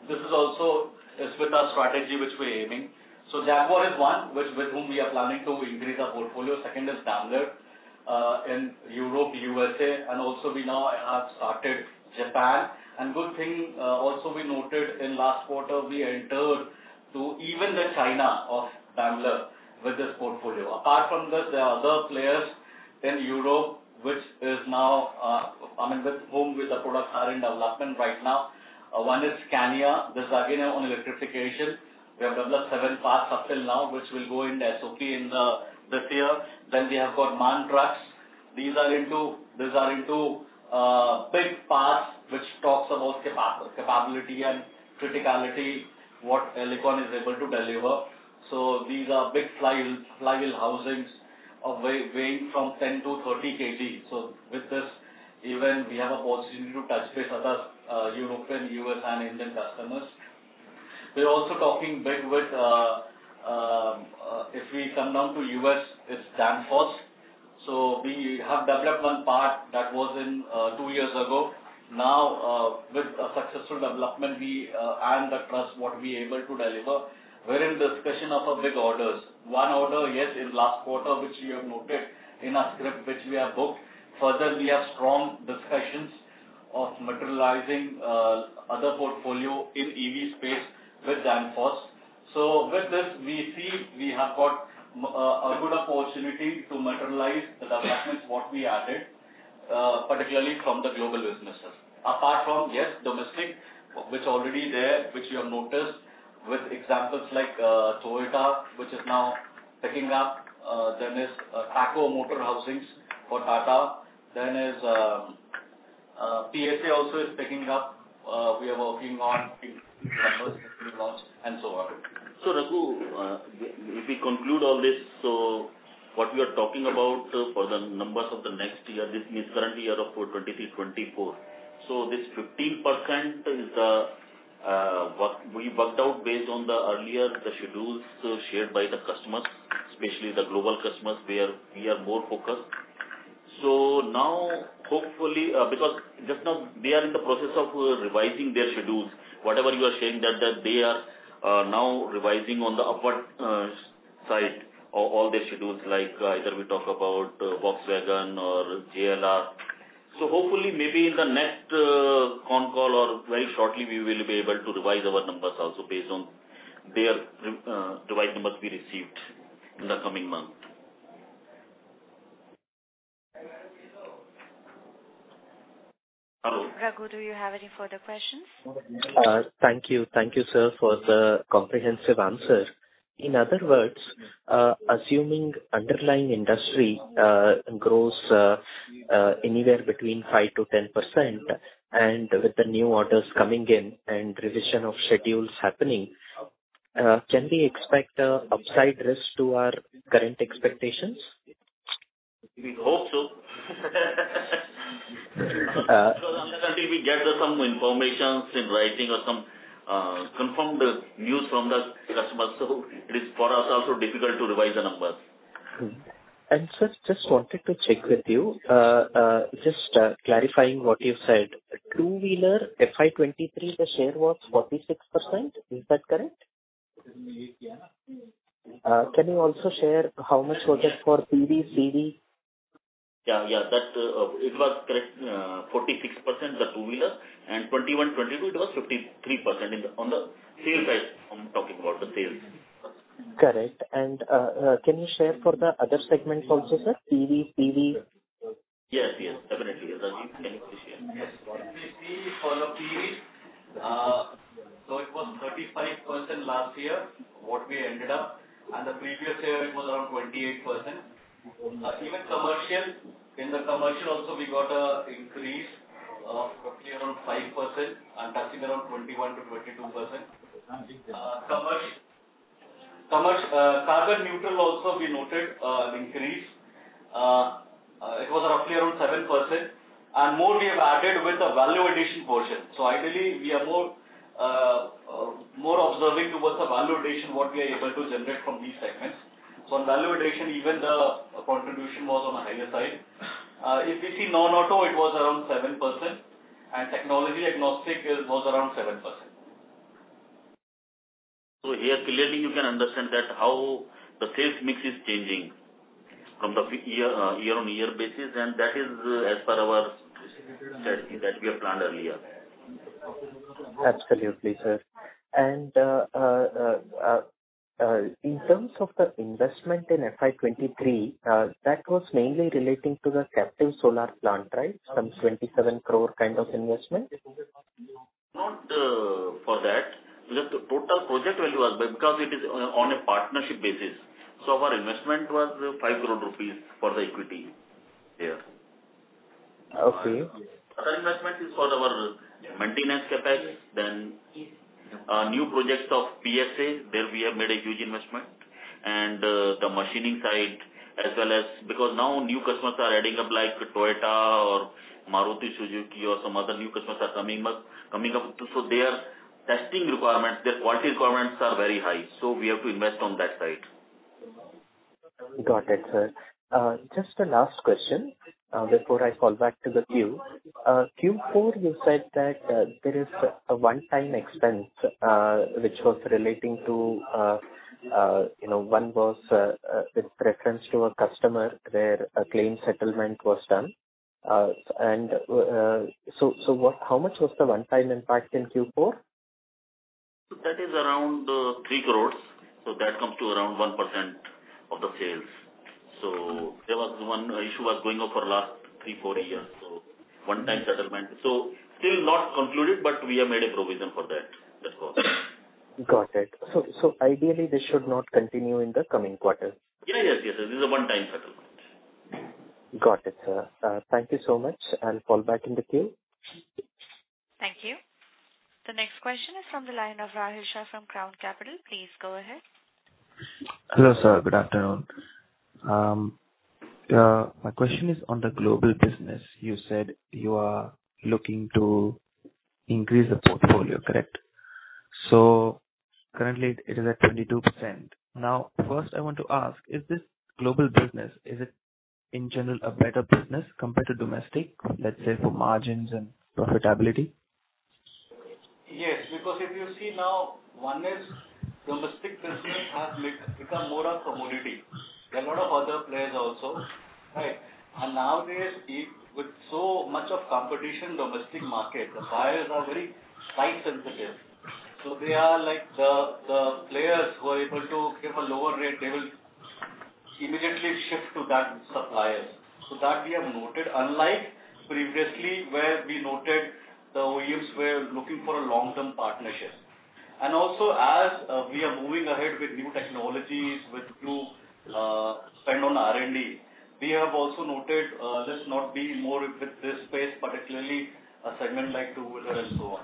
This is also is with our strategy which we're aiming. Jaguar is one which with whom we are planning to increase our portfolio. Second is Daimler in Europe, USA, and also we now have started Japan. Good thing, also we noted in last quarter we entered to even the China of Daimler with this portfolio. Apart from this, there are other players in Europe which is now, I mean, with whom the products are in development right now. One is Scania. This is again on electrification. We have developed seven parts up till now, which will go in the SOP in this year. We have got MAN Trucks. These are into big parts which talks about capability and criticality, what Alicon is able to deliver. These are big flywheel housings weighing from 10 kg -30 kg. With this even we have a possibility to touch base other European, U.S. and Indian customers. We're also talking big with, if we come down to U.S., it's Danfoss. We have developed one part that was in two years ago. Now, with a successful development, we earned the trust what we able to deliver. We're in discussion of a big orders. One order, yes, in last quarter, which you have noted in our script, which we have booked. Further, we have strong discussions of materializing other portfolio in EV space with Danfoss. With this we see we have got a good opportunity to materialize the developments what we added particularly from the global businesses. Apart from, yes, domestic, which already there, which you have noticed with examples like Toyota, which is now picking up. TACO motor housings for Tata. PSA also is picking up. We are working on and so on. Raghu, if we conclude all this. What we are talking about for the numbers of the next year, this means currently year of 2023, 2024. This 15% is the work we worked out based on the earlier schedules shared by the customers, especially the global customers, where we are more focused. Now hopefully, because just now they are in the process of revising their schedules. Whatever you are saying that, they are now revising on the upward side, all their schedules like, either we talk about Volkswagen or JLR. Hopefully maybe in the next con call or very shortly we will be able to revise our numbers also based on their revised numbers we received in the coming month. Hello. Raghu, do you have any further questions? Thank you. Thank you, sir, for the comprehensive answer. In other words, assuming underlying industry grows anywhere between 5%-10%, and with the new orders coming in and revision of schedules happening, can we expect a upside risk to our current expectations? We hope so. Uh- Until we get some informations in writing or some, confirmed news from the customers. It is for us also difficult to revise the numbers. Sir, just wanted to check with you, just clarifying what you said. Two-wheeler FY 2023, the share was 46%. Is that correct? Yes. Can you also share how much was it for TV, CV? Yeah, that, it was correct, 46% the two-wheeler and 2021-2022 it was 53% on the sales side. I'm talking about the sales. Correct. Can you share for the other segment also, sir? TV, PV. Yes. Yes. Definitely. Rajiv, can you please share? Yes. For the TV, it was 35% last year, what we ended up, and the previous year it was around 28%. Even commercial, in the commercial also we got an increase of roughly around 5% and touching around 21%-22%. Commerce, carbon neutral also we noted an increase. It was roughly around 7%. More we have added with the value addition portion. Ideally we are more. More observing towards the value addition, what we are able to generate from these segments. On value addition, even the contribution was on a higher side. If you see non-auto, it was around 7%, and technology agnostic was around 7%. Here clearly you can understand that how the sales mix is changing from the year-on-year basis. That is as per our strategy that we have planned earlier. Absolutely, sir. In terms of the investment in FY 2023, that was mainly relating to the captive solar plant, right? Some 27 crore kind of investment. Not, for that. Just the total project value was because it is, on a partnership basis. Our investment was 5 crore rupees for the equity there. Okay. Other investment is for our maintenance CapEx. New projects of PSA, there we have made a huge investment and the machining side as well as. Because now new customers are adding up, like Toyota or Maruti Suzuki or some other new customers are coming up to. Their testing requirements, their quality requirements are very high. We have to invest on that side. Got it, sir. Just a last question before I fall back to the queue. Q4 you said that there is a one-time expense which was relating to, you know, one was with reference to a customer where a claim settlement was done. So what, how much was the one-time impact in Q4? That is around 3 crore. That comes to around 1% of the sales. There was one issue going on for last three to four years. One-time settlement. Still not concluded, but we have made a provision for that. That's all. Got it. Ideally this should not continue in the coming quarter. Yes, yes. This is a one time settlement. Got it, sir. Thank you so much. I'll fall back in the queue. Thank you. The next question is from the line of Rahisha from Crown Capital. Please go ahead. Hello, sir. Good afternoon. My question is on the global business. You said you are looking to increase the portfolio, correct? Currently it is at 22%. First I want to ask, is this global business, is it in general a better business compared to domestic, let's say for margins and profitability? Because if you see now, one is domestic business has become more of commodity. There are a lot of other players also, right? Nowadays, with so much of competition domestic market, the buyers are very price sensitive. They are like the players who are able to give a lower rate, they will immediately shift to that suppliers. That we have noted, unlike previously where we noted the OEMs were looking for a long-term partnership. Also as we are moving ahead with new technologies, with new spend on R&D, we have also noted, let's not be more with this space, particularly a segment like two-wheeler and so on.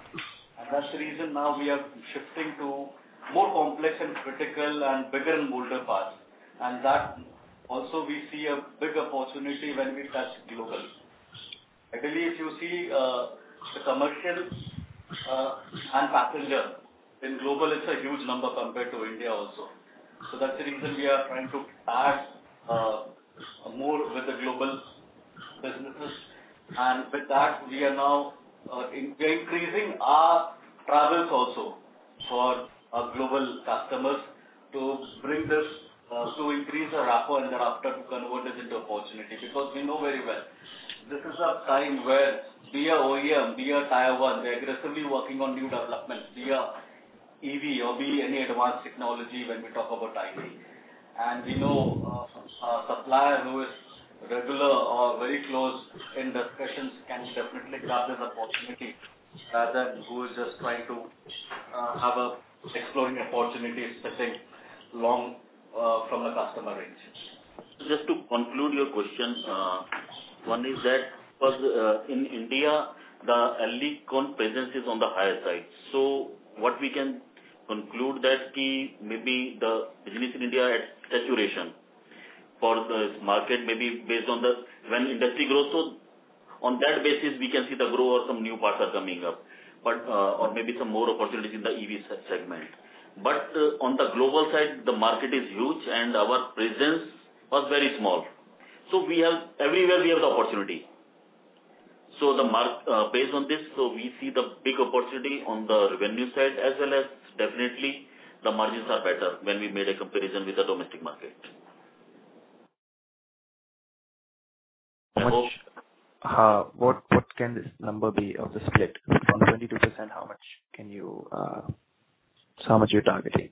That's the reason now we are shifting to more complex and critical and bigger and bolder parts. That also we see a big opportunity when we touch global. If you see the commercial and passenger in global, it's a huge number compared to India also. That's the reason we are trying to add more with the global businesses. With that we are now increasing our travels also for our global customers to bring this to increase our rapport and thereafter to convert this into opportunity. We know very well this is a time where be a OEM, be a tier one, we are aggressively working on new developments, be a EV or be any advanced technology when we talk about IT. We know a supplier who is regular or very close in discussions can definitely grab this opportunity, rather than who is just trying to have a exploring opportunities, let's say, long from the customer end. Just to conclude your question. One is that first, in India, the Alicon presence is on the higher side. What we can conclude that key may be the business in India at saturation for the market may be based on the when industry grows. On that basis we can see the grow or some new parts are coming up, but or maybe some more opportunities in the EV segment. On the global side, the market is huge and our presence was very small. We have everywhere we have the opportunity. The mark, based on this, we see the big opportunity on the revenue side as well as definitely the margins are better when we made a comparison with the domestic market. How much, what can this number be of the split from 22%? How much can you, so how much you're targeting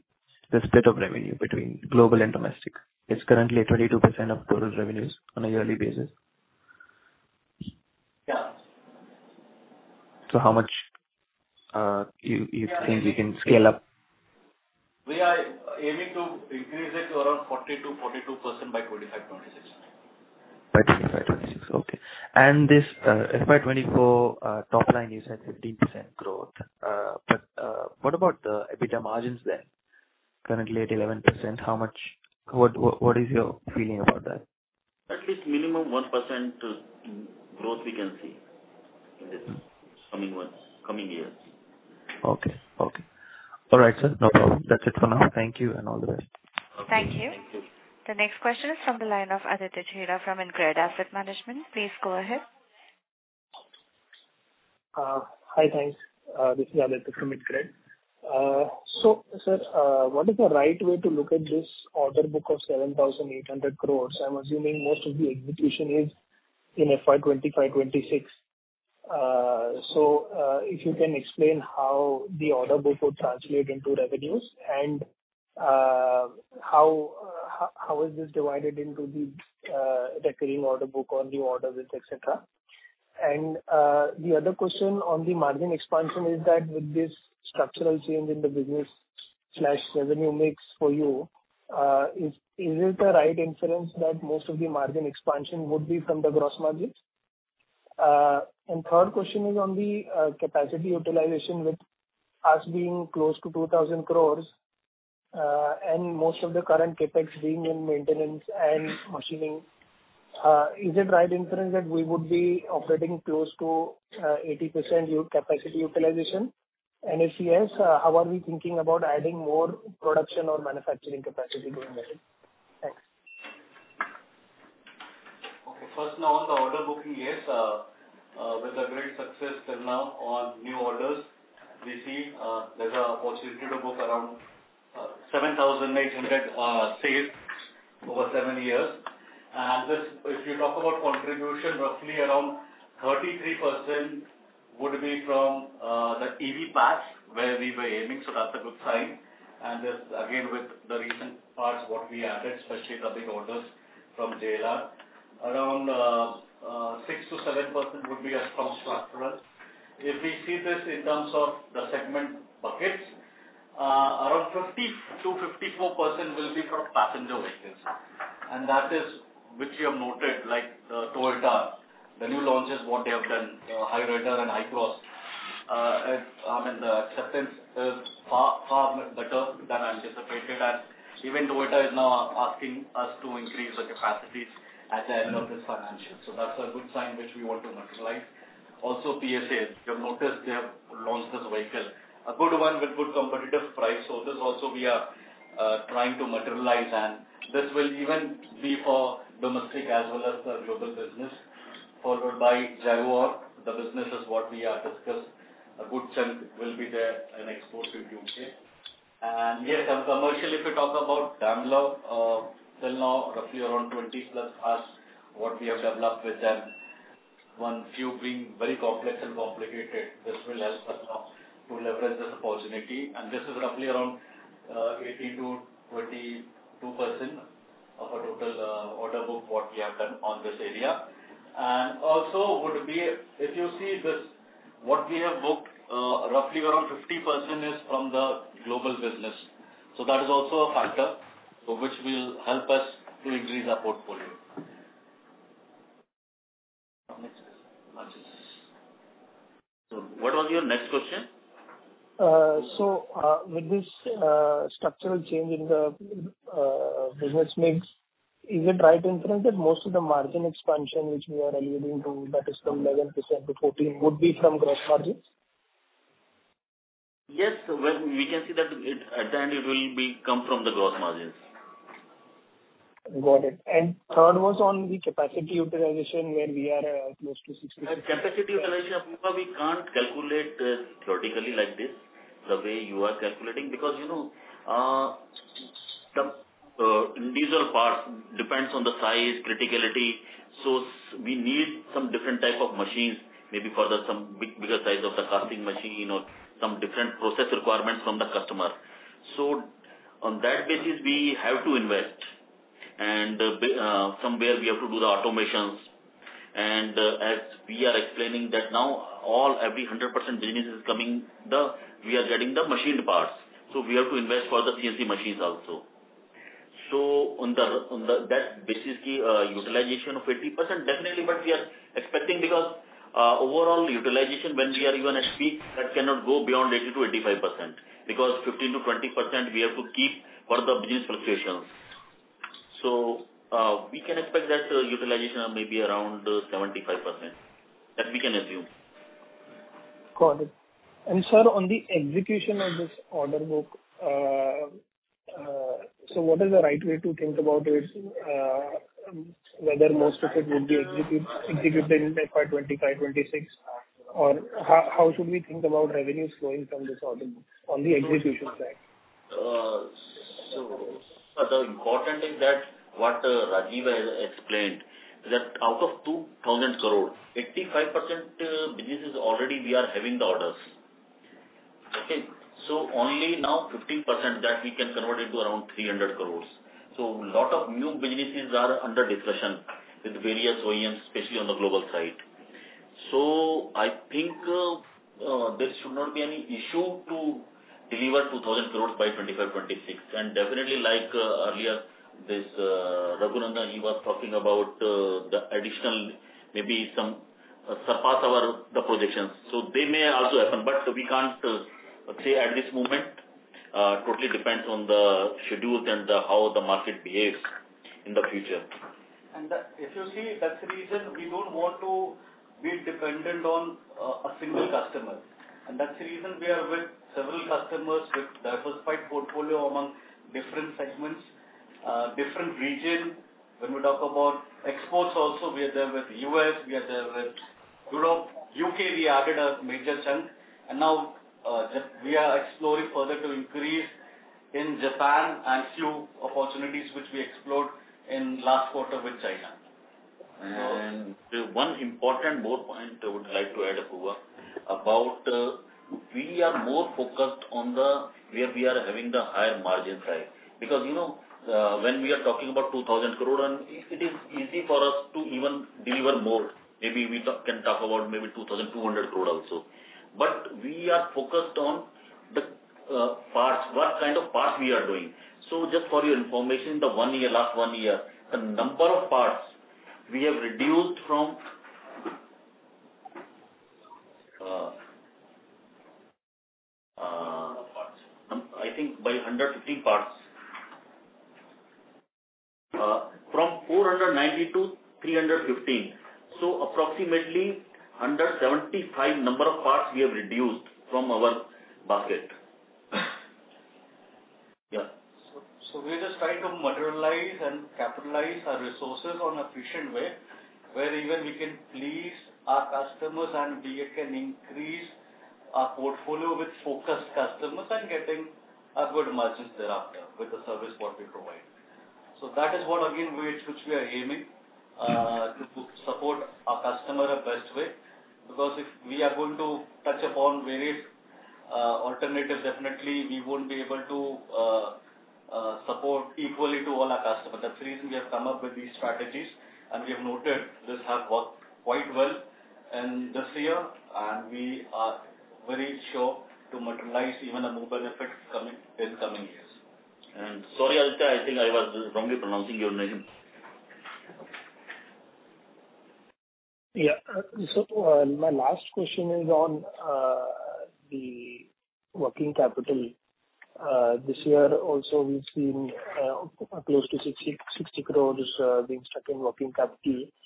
the split of revenue between global and domestic? It's currently at 22% of total revenues on a yearly basis. Yeah. How much you think you can scale up? We are aiming to increase it to around 40%-42% by 2025, 2026. By 2025, 2026. Okay. This FY 2024 top line, you said 15% growth. What about the EBITDA margins then? Currently at 11%. What is your feeling about that? At least minimum 1% growth we can see in this coming months, coming years. Okay. Okay. All right, sir. No problem. That's it for now. Thank you and all the best. Okay. Thank you. Thank you. The next question is from the line of Aditya Chheda from InCred Asset Management. Please go ahead. Hi, thanks. This is Aditya from InCred. Sir, what is the right way to look at this order book of 7,800 crore? I'm assuming most of the execution is in FY 2025, 2026. If you can explain how the order book would translate into revenues and how is this divided into the recurring order book or new orders, et cetera. The other question on the margin expansion is that with this structural change in the business slash revenue mix for you, is it the right inference that most of the margin expansion would be from the gross margins? Third question is on the capacity utilization with us being close to 2,000 crore, and most of the current CapEx being in maintenance and machining, is it right inference that we would be operating close to 80% capacity utilization? If yes, how are we thinking about adding more production or manufacturing capacity going ahead? Thanks. Okay. First now on the order booking, yes, with a great success till now on new orders, we see there's a possibility to book around 7,800 sales over seven years. This, if you talk about contribution, roughly around 33% would be from the EV parts where we were aiming, so that's a good sign. This again, with the recent parts what we added, especially the big orders from JLR, around 6%-7% would be as from structural. If we see this in terms of the segment buckets, around 50%-54% will be from passenger vehicles. That is which you have noted like the Toyota, the new launches, what they have done, Hyryder and HyCross, as the acceptance is far, far better than anticipated. Even Toyota is now asking us to increase the capacities at the end of this financial. That's a good sign which we want to materialize. PSA, if you have noticed, they have launched this vehicle, a good one with good competitive price. This also we are trying to materialize, and this will even be for domestic as well as the global business. Followed by Jaguar. The business is what we have discussed. A good chunk will be there and exported to UK. Yes, as commercial, if you talk about Daimler, till now, roughly around 20+ cars what we have developed with them. One, few being very complex and complicated, this will help us now to leverage this opportunity. This is roughly around 18%-22% of our total order book, what we have done on this area. Also would be, if you see this, what we have booked, roughly around 50% is from the global business. That is also a factor for which will help us to increase our portfolio. What was your next question? With this structural change in the business mix, is it right to infer that most of the margin expansion which we are alluding to, that is from 11% to 14%, would be from gross margins? Yes. Well, we can see that at the end it will be come from the gross margins. Got it. Third was on the capacity utilization where we are close to 60%. Capacity utilization, we can't calculate theoretically like this, the way you are calculating, because, you know, some individual parts depends on the size, criticality. We need some different type of machines, maybe for the bigger size of the casting machine or some different process requirements from the customer. On that basis, we have to invest and somewhere we have to do the automations. As we are explaining that now all, every 100% business is coming, we are getting the machined parts, so we have to invest for the CNC machines also. On that basis, utilization of 80%, definitely. We are expecting because, overall utilization when we are even at peak, that cannot go beyond 80%-85%, because 15%-20% we have to keep for the business fluctuations. We can expect that utilization may be around 75%. That we can assume. Got it. Sir, on the execution of this order book, what is the right way to think about it? Whether most of it will be executed in FY 2025, 2026, or how should we think about revenues flowing from this order book on the execution side? The important is that what Rajiv has explained, that out of 2,000 crore, 85% business is already we are having the orders. Okay. Only now 15% that we can convert into around 300 crore. Lot of new businesses are under discussion with various OEMs, especially on the global side. I think there should not be any issue to deliver 2,000 crore by 2025-2026. Definitely like earlier this Raghunandhan, he was talking about the additional maybe some surpass our the projections. They may also happen, but we can't say at this moment on the schedules and how the market behaves in the future. That, if you see, that's the reason we don't want to be dependent on a single customer. That's the reason we are with several customers with diversified portfolio among different segments, different region. When we talk about exports also we are there with U.S., we are there with Europe. U.K., we added a major chunk. Now we are exploring further to increase in Japan and few opportunities which we explored in last quarter with China. One important more point I would like to add, Apurva, about, we are more focused on the where we are having the higher margin side. Because, you know, when we are talking about 2,000 crore, and it is easy for us to even deliver more, maybe we can talk about maybe 2,200 crore also. We are focused on the, parts, what kind of parts we are doing. Just for your information, the one year, last one year, the number of parts we have reduced from. Parts. I think by 150 parts. From 490-315. Approximately under 75 number of parts we have reduced from our basket. Yeah. We're just trying to materialize and capitalize our resources on efficient way where even we can please our customers and we can increase our portfolio with focused customers and getting upward margins thereafter with the service what we provide. That is what again which we are aiming to support our customer the best way. If we are going to touch upon various alternatives, definitely we won't be able to support equally to all our customers. That's the reason we have come up with these strategies, and we have noted this has worked quite well in this year, and we are very sure to materialize even a more benefit coming, in coming years. Sorry, Aditya, I think I was wrongly pronouncing your name. nue grew by 15% year-over-year, reaching $1.2 billion. This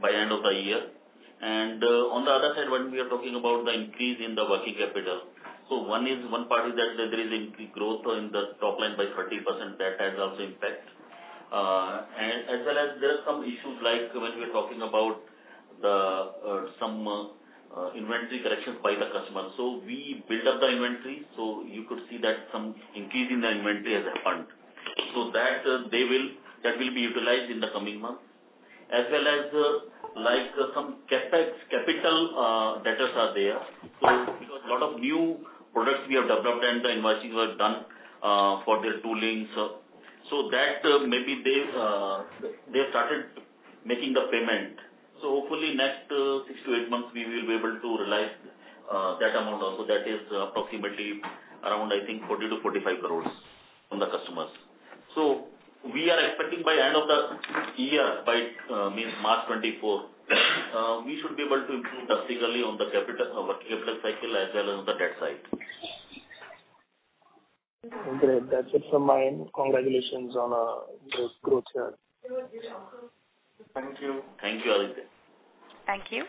by end of the year. On the other side, when we are talking about the increase in the working capital, one is one party that there is in-growth in the top line by 30%. That has also impact. As well as there are some issues like when we are talking about the, some, inventory corrections by the customer. We build up the inventory, you could see that some increase in the inventory as a fund. That will be utilized in the coming months. As well as, like some CapEx capital, debtors are there. Because lot of new products we have developed and the investing was done for their toolings. That maybe they have started making the payment. Hopefully next six to eight months we will be able to realize that amount also. That is approximately around I think 40-45 crore from the customers. We are expecting by end of the year, by means March 2024, we should be able to improve drastically on the debit or working capital cycle as well as the debt side. That's it from my end. Congratulations on this growth year. Thank you. Thank you, Aditya. Thank you.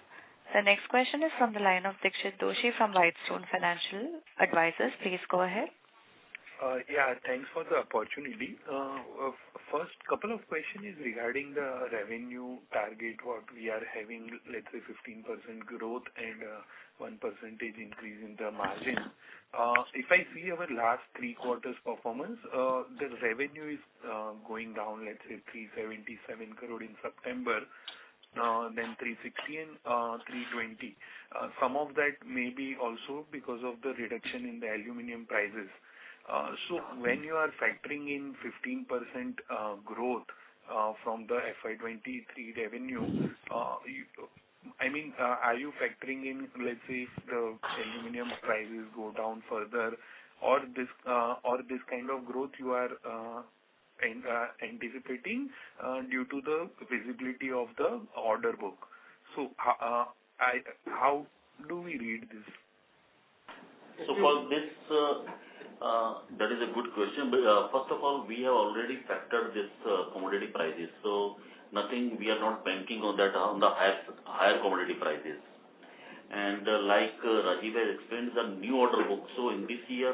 The next question is from the line of Dixit Doshi from Whitestone Financial Advisors. Please go ahead. Yeah, thanks for the opportunity. First couple of question is regarding the revenue target. What we are having, let's say 15% growth and 1 percentage increase in the margin. If I see our last three quarters performance, the revenue is going down, let's say 377 crore in September, then 360 crore and 320 crore. Some of that may be also because of the reduction in the aluminum prices. When you are factoring in 15% growth from the FY23 revenue, you... I mean, are you factoring in, let's say, the aluminum prices go down further or this or this kind of growth you are anticipating due to the visibility of the order book? How do we read this? For this, that is a good question. First of all, we have already factored this commodity prices. Nothing, we are not banking on that, on the higher commodity prices. Like Rajiv has explained the new order book. In this year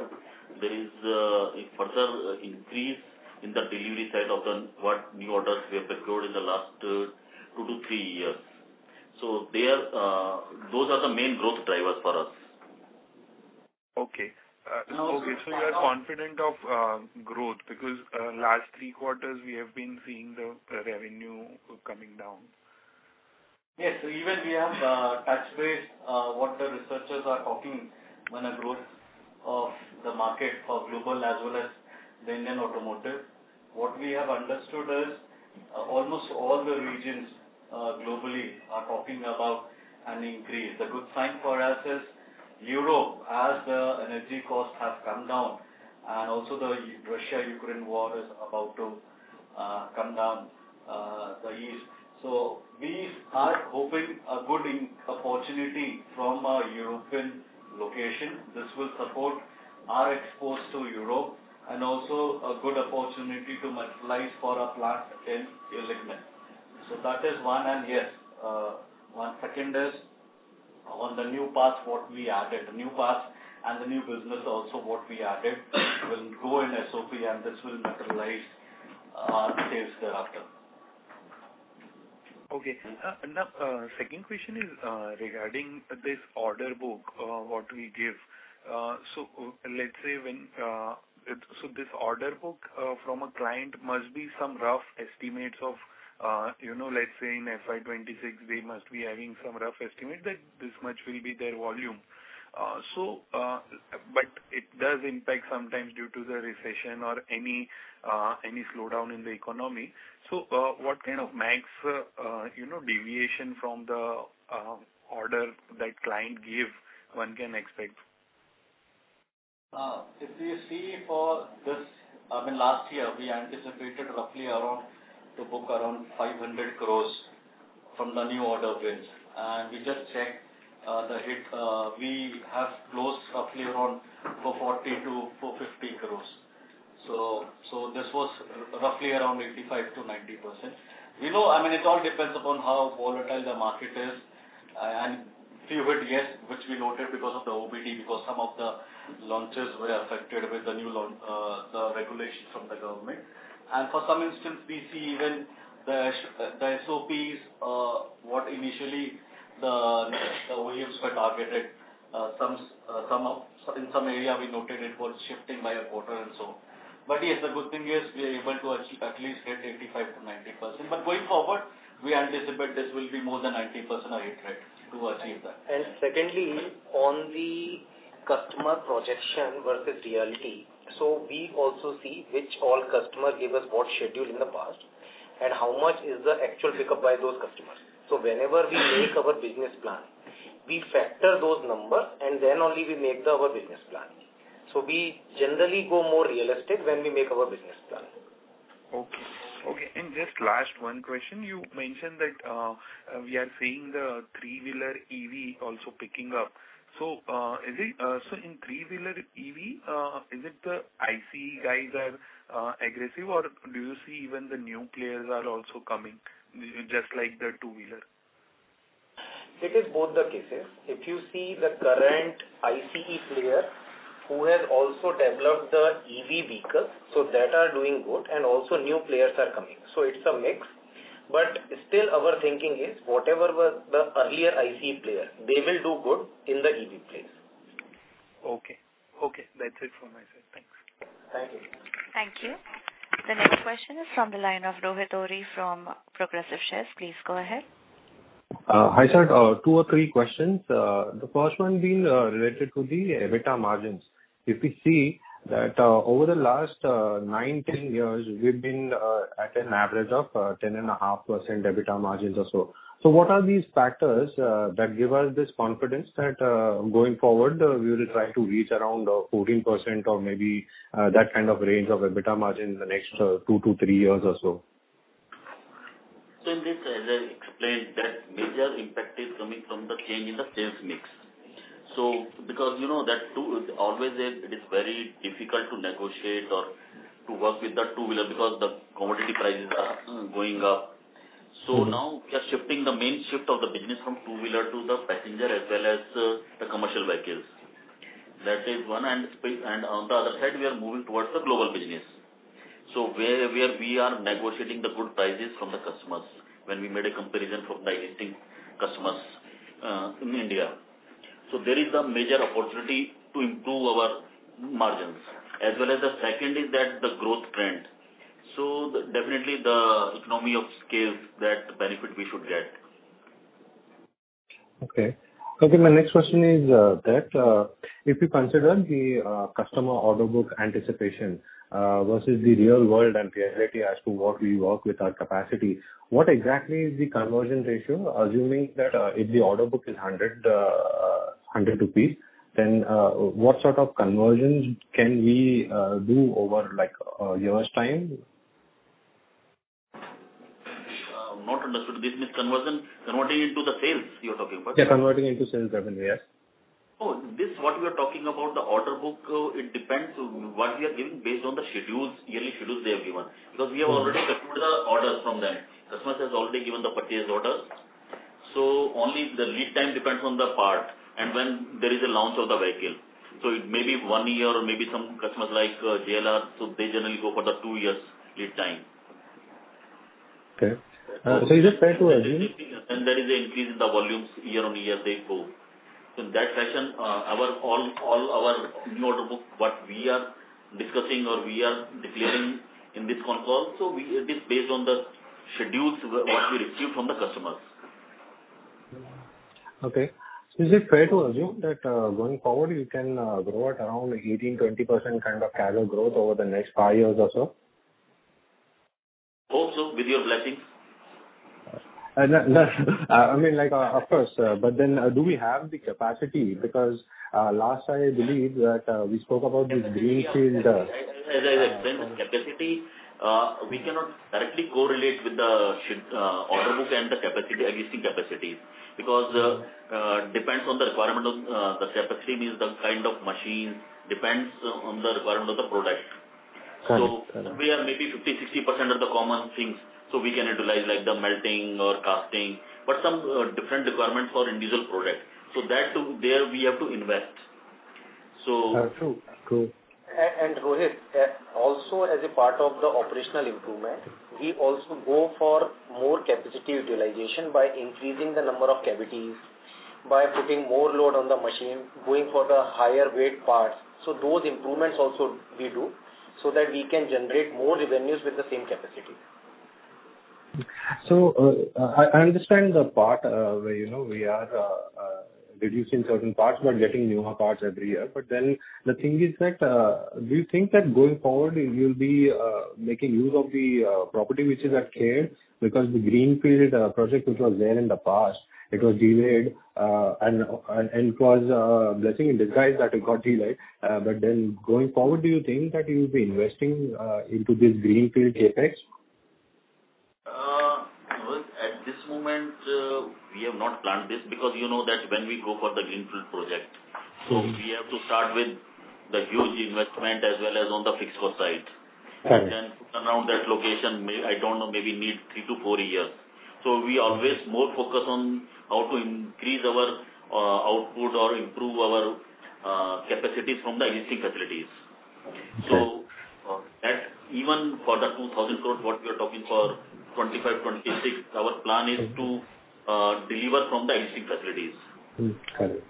there is a further increase in the delivery side of the what new orders we have secured in the last two to three years. They are, those are the main growth drivers for us. Okay. Okay. Now- You are confident of growth because last three quarters we have been seeing the revenue coming down. Yes. Even we have touched base what the researchers are talking when a growth of the market for global as well as the Indian automotive. What we have understood is almost all the regions globally are talking about an increase. The good sign for us is Europe, as the energy costs have come down and also the Russia-Ukraine War is about to come down the east. We are hoping a good opportunity from our European location. This will support our exports to Europe and also a good opportunity to materialize for our plant in Illichmann. That is one. Yes, one second is on the new paths, what we added. The new paths and the new business also what we added will go in SOP and this will materialize sales thereafter. Okay. Now, second question is, regarding this order book, what we give. Let's say this order book, from a client must be some rough estimates of, you know, let's say in FY 26, they must be having some rough estimate that this much will be their volume. It does impact sometimes due to the recession or any slowdown in the economy. What kind of max, you know, deviation from the order that client give one can expect? If you see for this, I mean, last year, we anticipated roughly around to book around 500 crores from the new order wins. We just checked the hit. We have closed roughly around 440-450 crores. This was roughly around 85%-90%. You know, I mean, it all depends upon how volatile the market is. Few hit, yes, which we noted because of the OBD, because some of the launches were affected with the new regulations from the government. For some instance, we see even the SOPs, what initially the volumes were targeted, some. In some area we noted it was shifting by a quarter and so on. Yes, the good thing is we are able to achieve at least hit 85%-90%. Going forward, we anticipate this will be more than 90% or hit rate to achieve that. Secondly, on the customer projection versus reality, so we also see which all customer gave us what schedule in the past and how much is the actual pickup by those customers. Whenever we make our business plan, we factor those numbers and then only we make our business plan. We generally go more realistic when we make our business plan. Okay. Just last one question. You mentioned that, we are seeing the three-wheeler EV also picking up. In three-wheeler EV, is it the ICE guys are aggressive or do you see even the new players are also coming just like the two-wheeler? It is both the cases. If you see the current ICE player who has also developed the EV vehicle, so that are doing good and also new players are coming. It's a mix. Still our thinking is whatever were the earlier ICE player, they will do good in the EV place. Okay. Okay, that's it from my side. Thanks. Thank you. Thank you. The next question is from the line of Rohit Ohri from Progressive Shares. Please go ahead. Hi, sir. Two or three questions. The first one being related to the EBITDA margins. If we see that over the last nine, 10 years, we've been at an average of 10.5% EBITDA margins or so. What are these factors that give us this confidence that going forward, we will try to reach around 14% or maybe that kind of range of EBITDA margin in the next two to three years or so? In this, as I explained, that major impact is coming from the change in the sales mix. Because you know that two is always a, it is very difficult to negotiate or to work with the two-wheeler because the commodity prices are going up. Now we are shifting the main shift of the business from two-wheeler to the passenger as well as the commercial vehicles. That is one. Space, and on the other side we are moving towards the global business. Where we are negotiating the good prices from the customers when we made a comparison from the existing customers in India. There is a major opportunity to improve our margins. As well as the second is that the growth trend. Definitely the economy of scale is that benefit we should get. Okay. Okay, my next question is, that, if you consider the customer order book anticipation versus the real world and priority as to what we work with our capacity, what exactly is the conversion ratio, assuming that, if the order book is 100 rupees, then, what sort of conversions can we do over, like, a year's time? Not understood. Business conversion, converting into the sales you're talking about? Yeah, converting into sales revenue, yes. Oh, this what you are talking about, the order book, it depends what we are giving based on the schedules, yearly schedules they have given. We have already secured the orders from them. Customer has already given the purchase orders, only the lead time depends on the part and when there is a launch of the vehicle. It may be 1 year or maybe some customers like JLR, they generally go for the 2 years lead time. Okay. you just try to. There is an increase in the volumes year-on-year. In that fashion, our all our new order book, what we are discussing or we are declaring in this console, we get this based on the schedules what we receive from the customers. Okay. Is it fair to assume that, going forward, you can grow at around 18%-20% kind of casual growth over the next five years or so? Hope so, with your blessing. No, no. I mean, like, of course. Do we have the capacity? Because, last I believe that, we spoke about this greenfield. As I explained the capacity, we cannot directly correlate with the order book and the capacity, existing capacity. Depends on the requirement of, the capacity means the kind of machines, depends on the requirement of the product. Got it. We are maybe 50%, 60% of the common things, so we can utilize like the melting or casting, but some different requirements for individual products. There we have to invest. That's true. True. Rohit, also as a part of the operational improvement, we also go for more capacity utilization by increasing the number of cavities, by putting more load on the machine, going for the higher weight parts. Those improvements also we do, so that we can generate more revenues with the same capacity. I understand the part where, you know, we are reducing certain parts but getting newer parts every year. The thing is that, do you think that going forward you'll be making use of the property which is at Kail? Because the greenfield project which was there in the past, it was delayed, and it was blessing in disguise that it got delayed. Going forward, do you think that you'll be investing into this greenfield CapEx? Rohit, at this moment, we have not planned this because you know that when we go for the greenfield project. Mm-hmm. We have to start with the huge investment as well as on the fixed cost side. Right. Around that location, I don't know, maybe need 3 to 4 years. We always more focus on how to increase our output or improve our capacity from the existing facilities. Right. That's even for the 2,000 crore, what we are talking for 2025, 2026, our plan is to deliver from the existing facilities. Got it.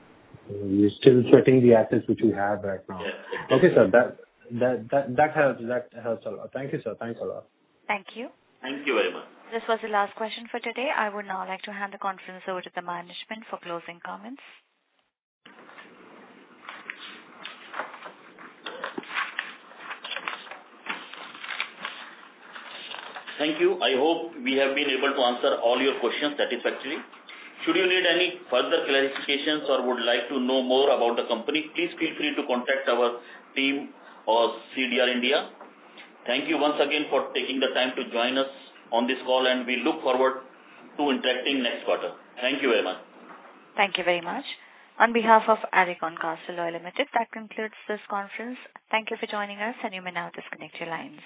We're still setting the assets which we have right now. Yes. Okay, sir. That helps. That helps a lot. Thank you, sir. Thanks a lot. Thank you. Thank you very much. This was the last question for today. I would now like to hand the conference over to the management for closing comments. Thank you. I hope we have been able to answer all your questions satisfactorily. Should you need any further clarifications or would like to know more about the company, please feel free to contact our team or CDR India. Thank you once again for taking the time to join us on this call, and we look forward to interacting next quarter. Thank you very much. Thank you very much. On behalf of Alicon Castalloy Limited, that concludes this conference. Thank you for joining us, and you may now disconnect your lines.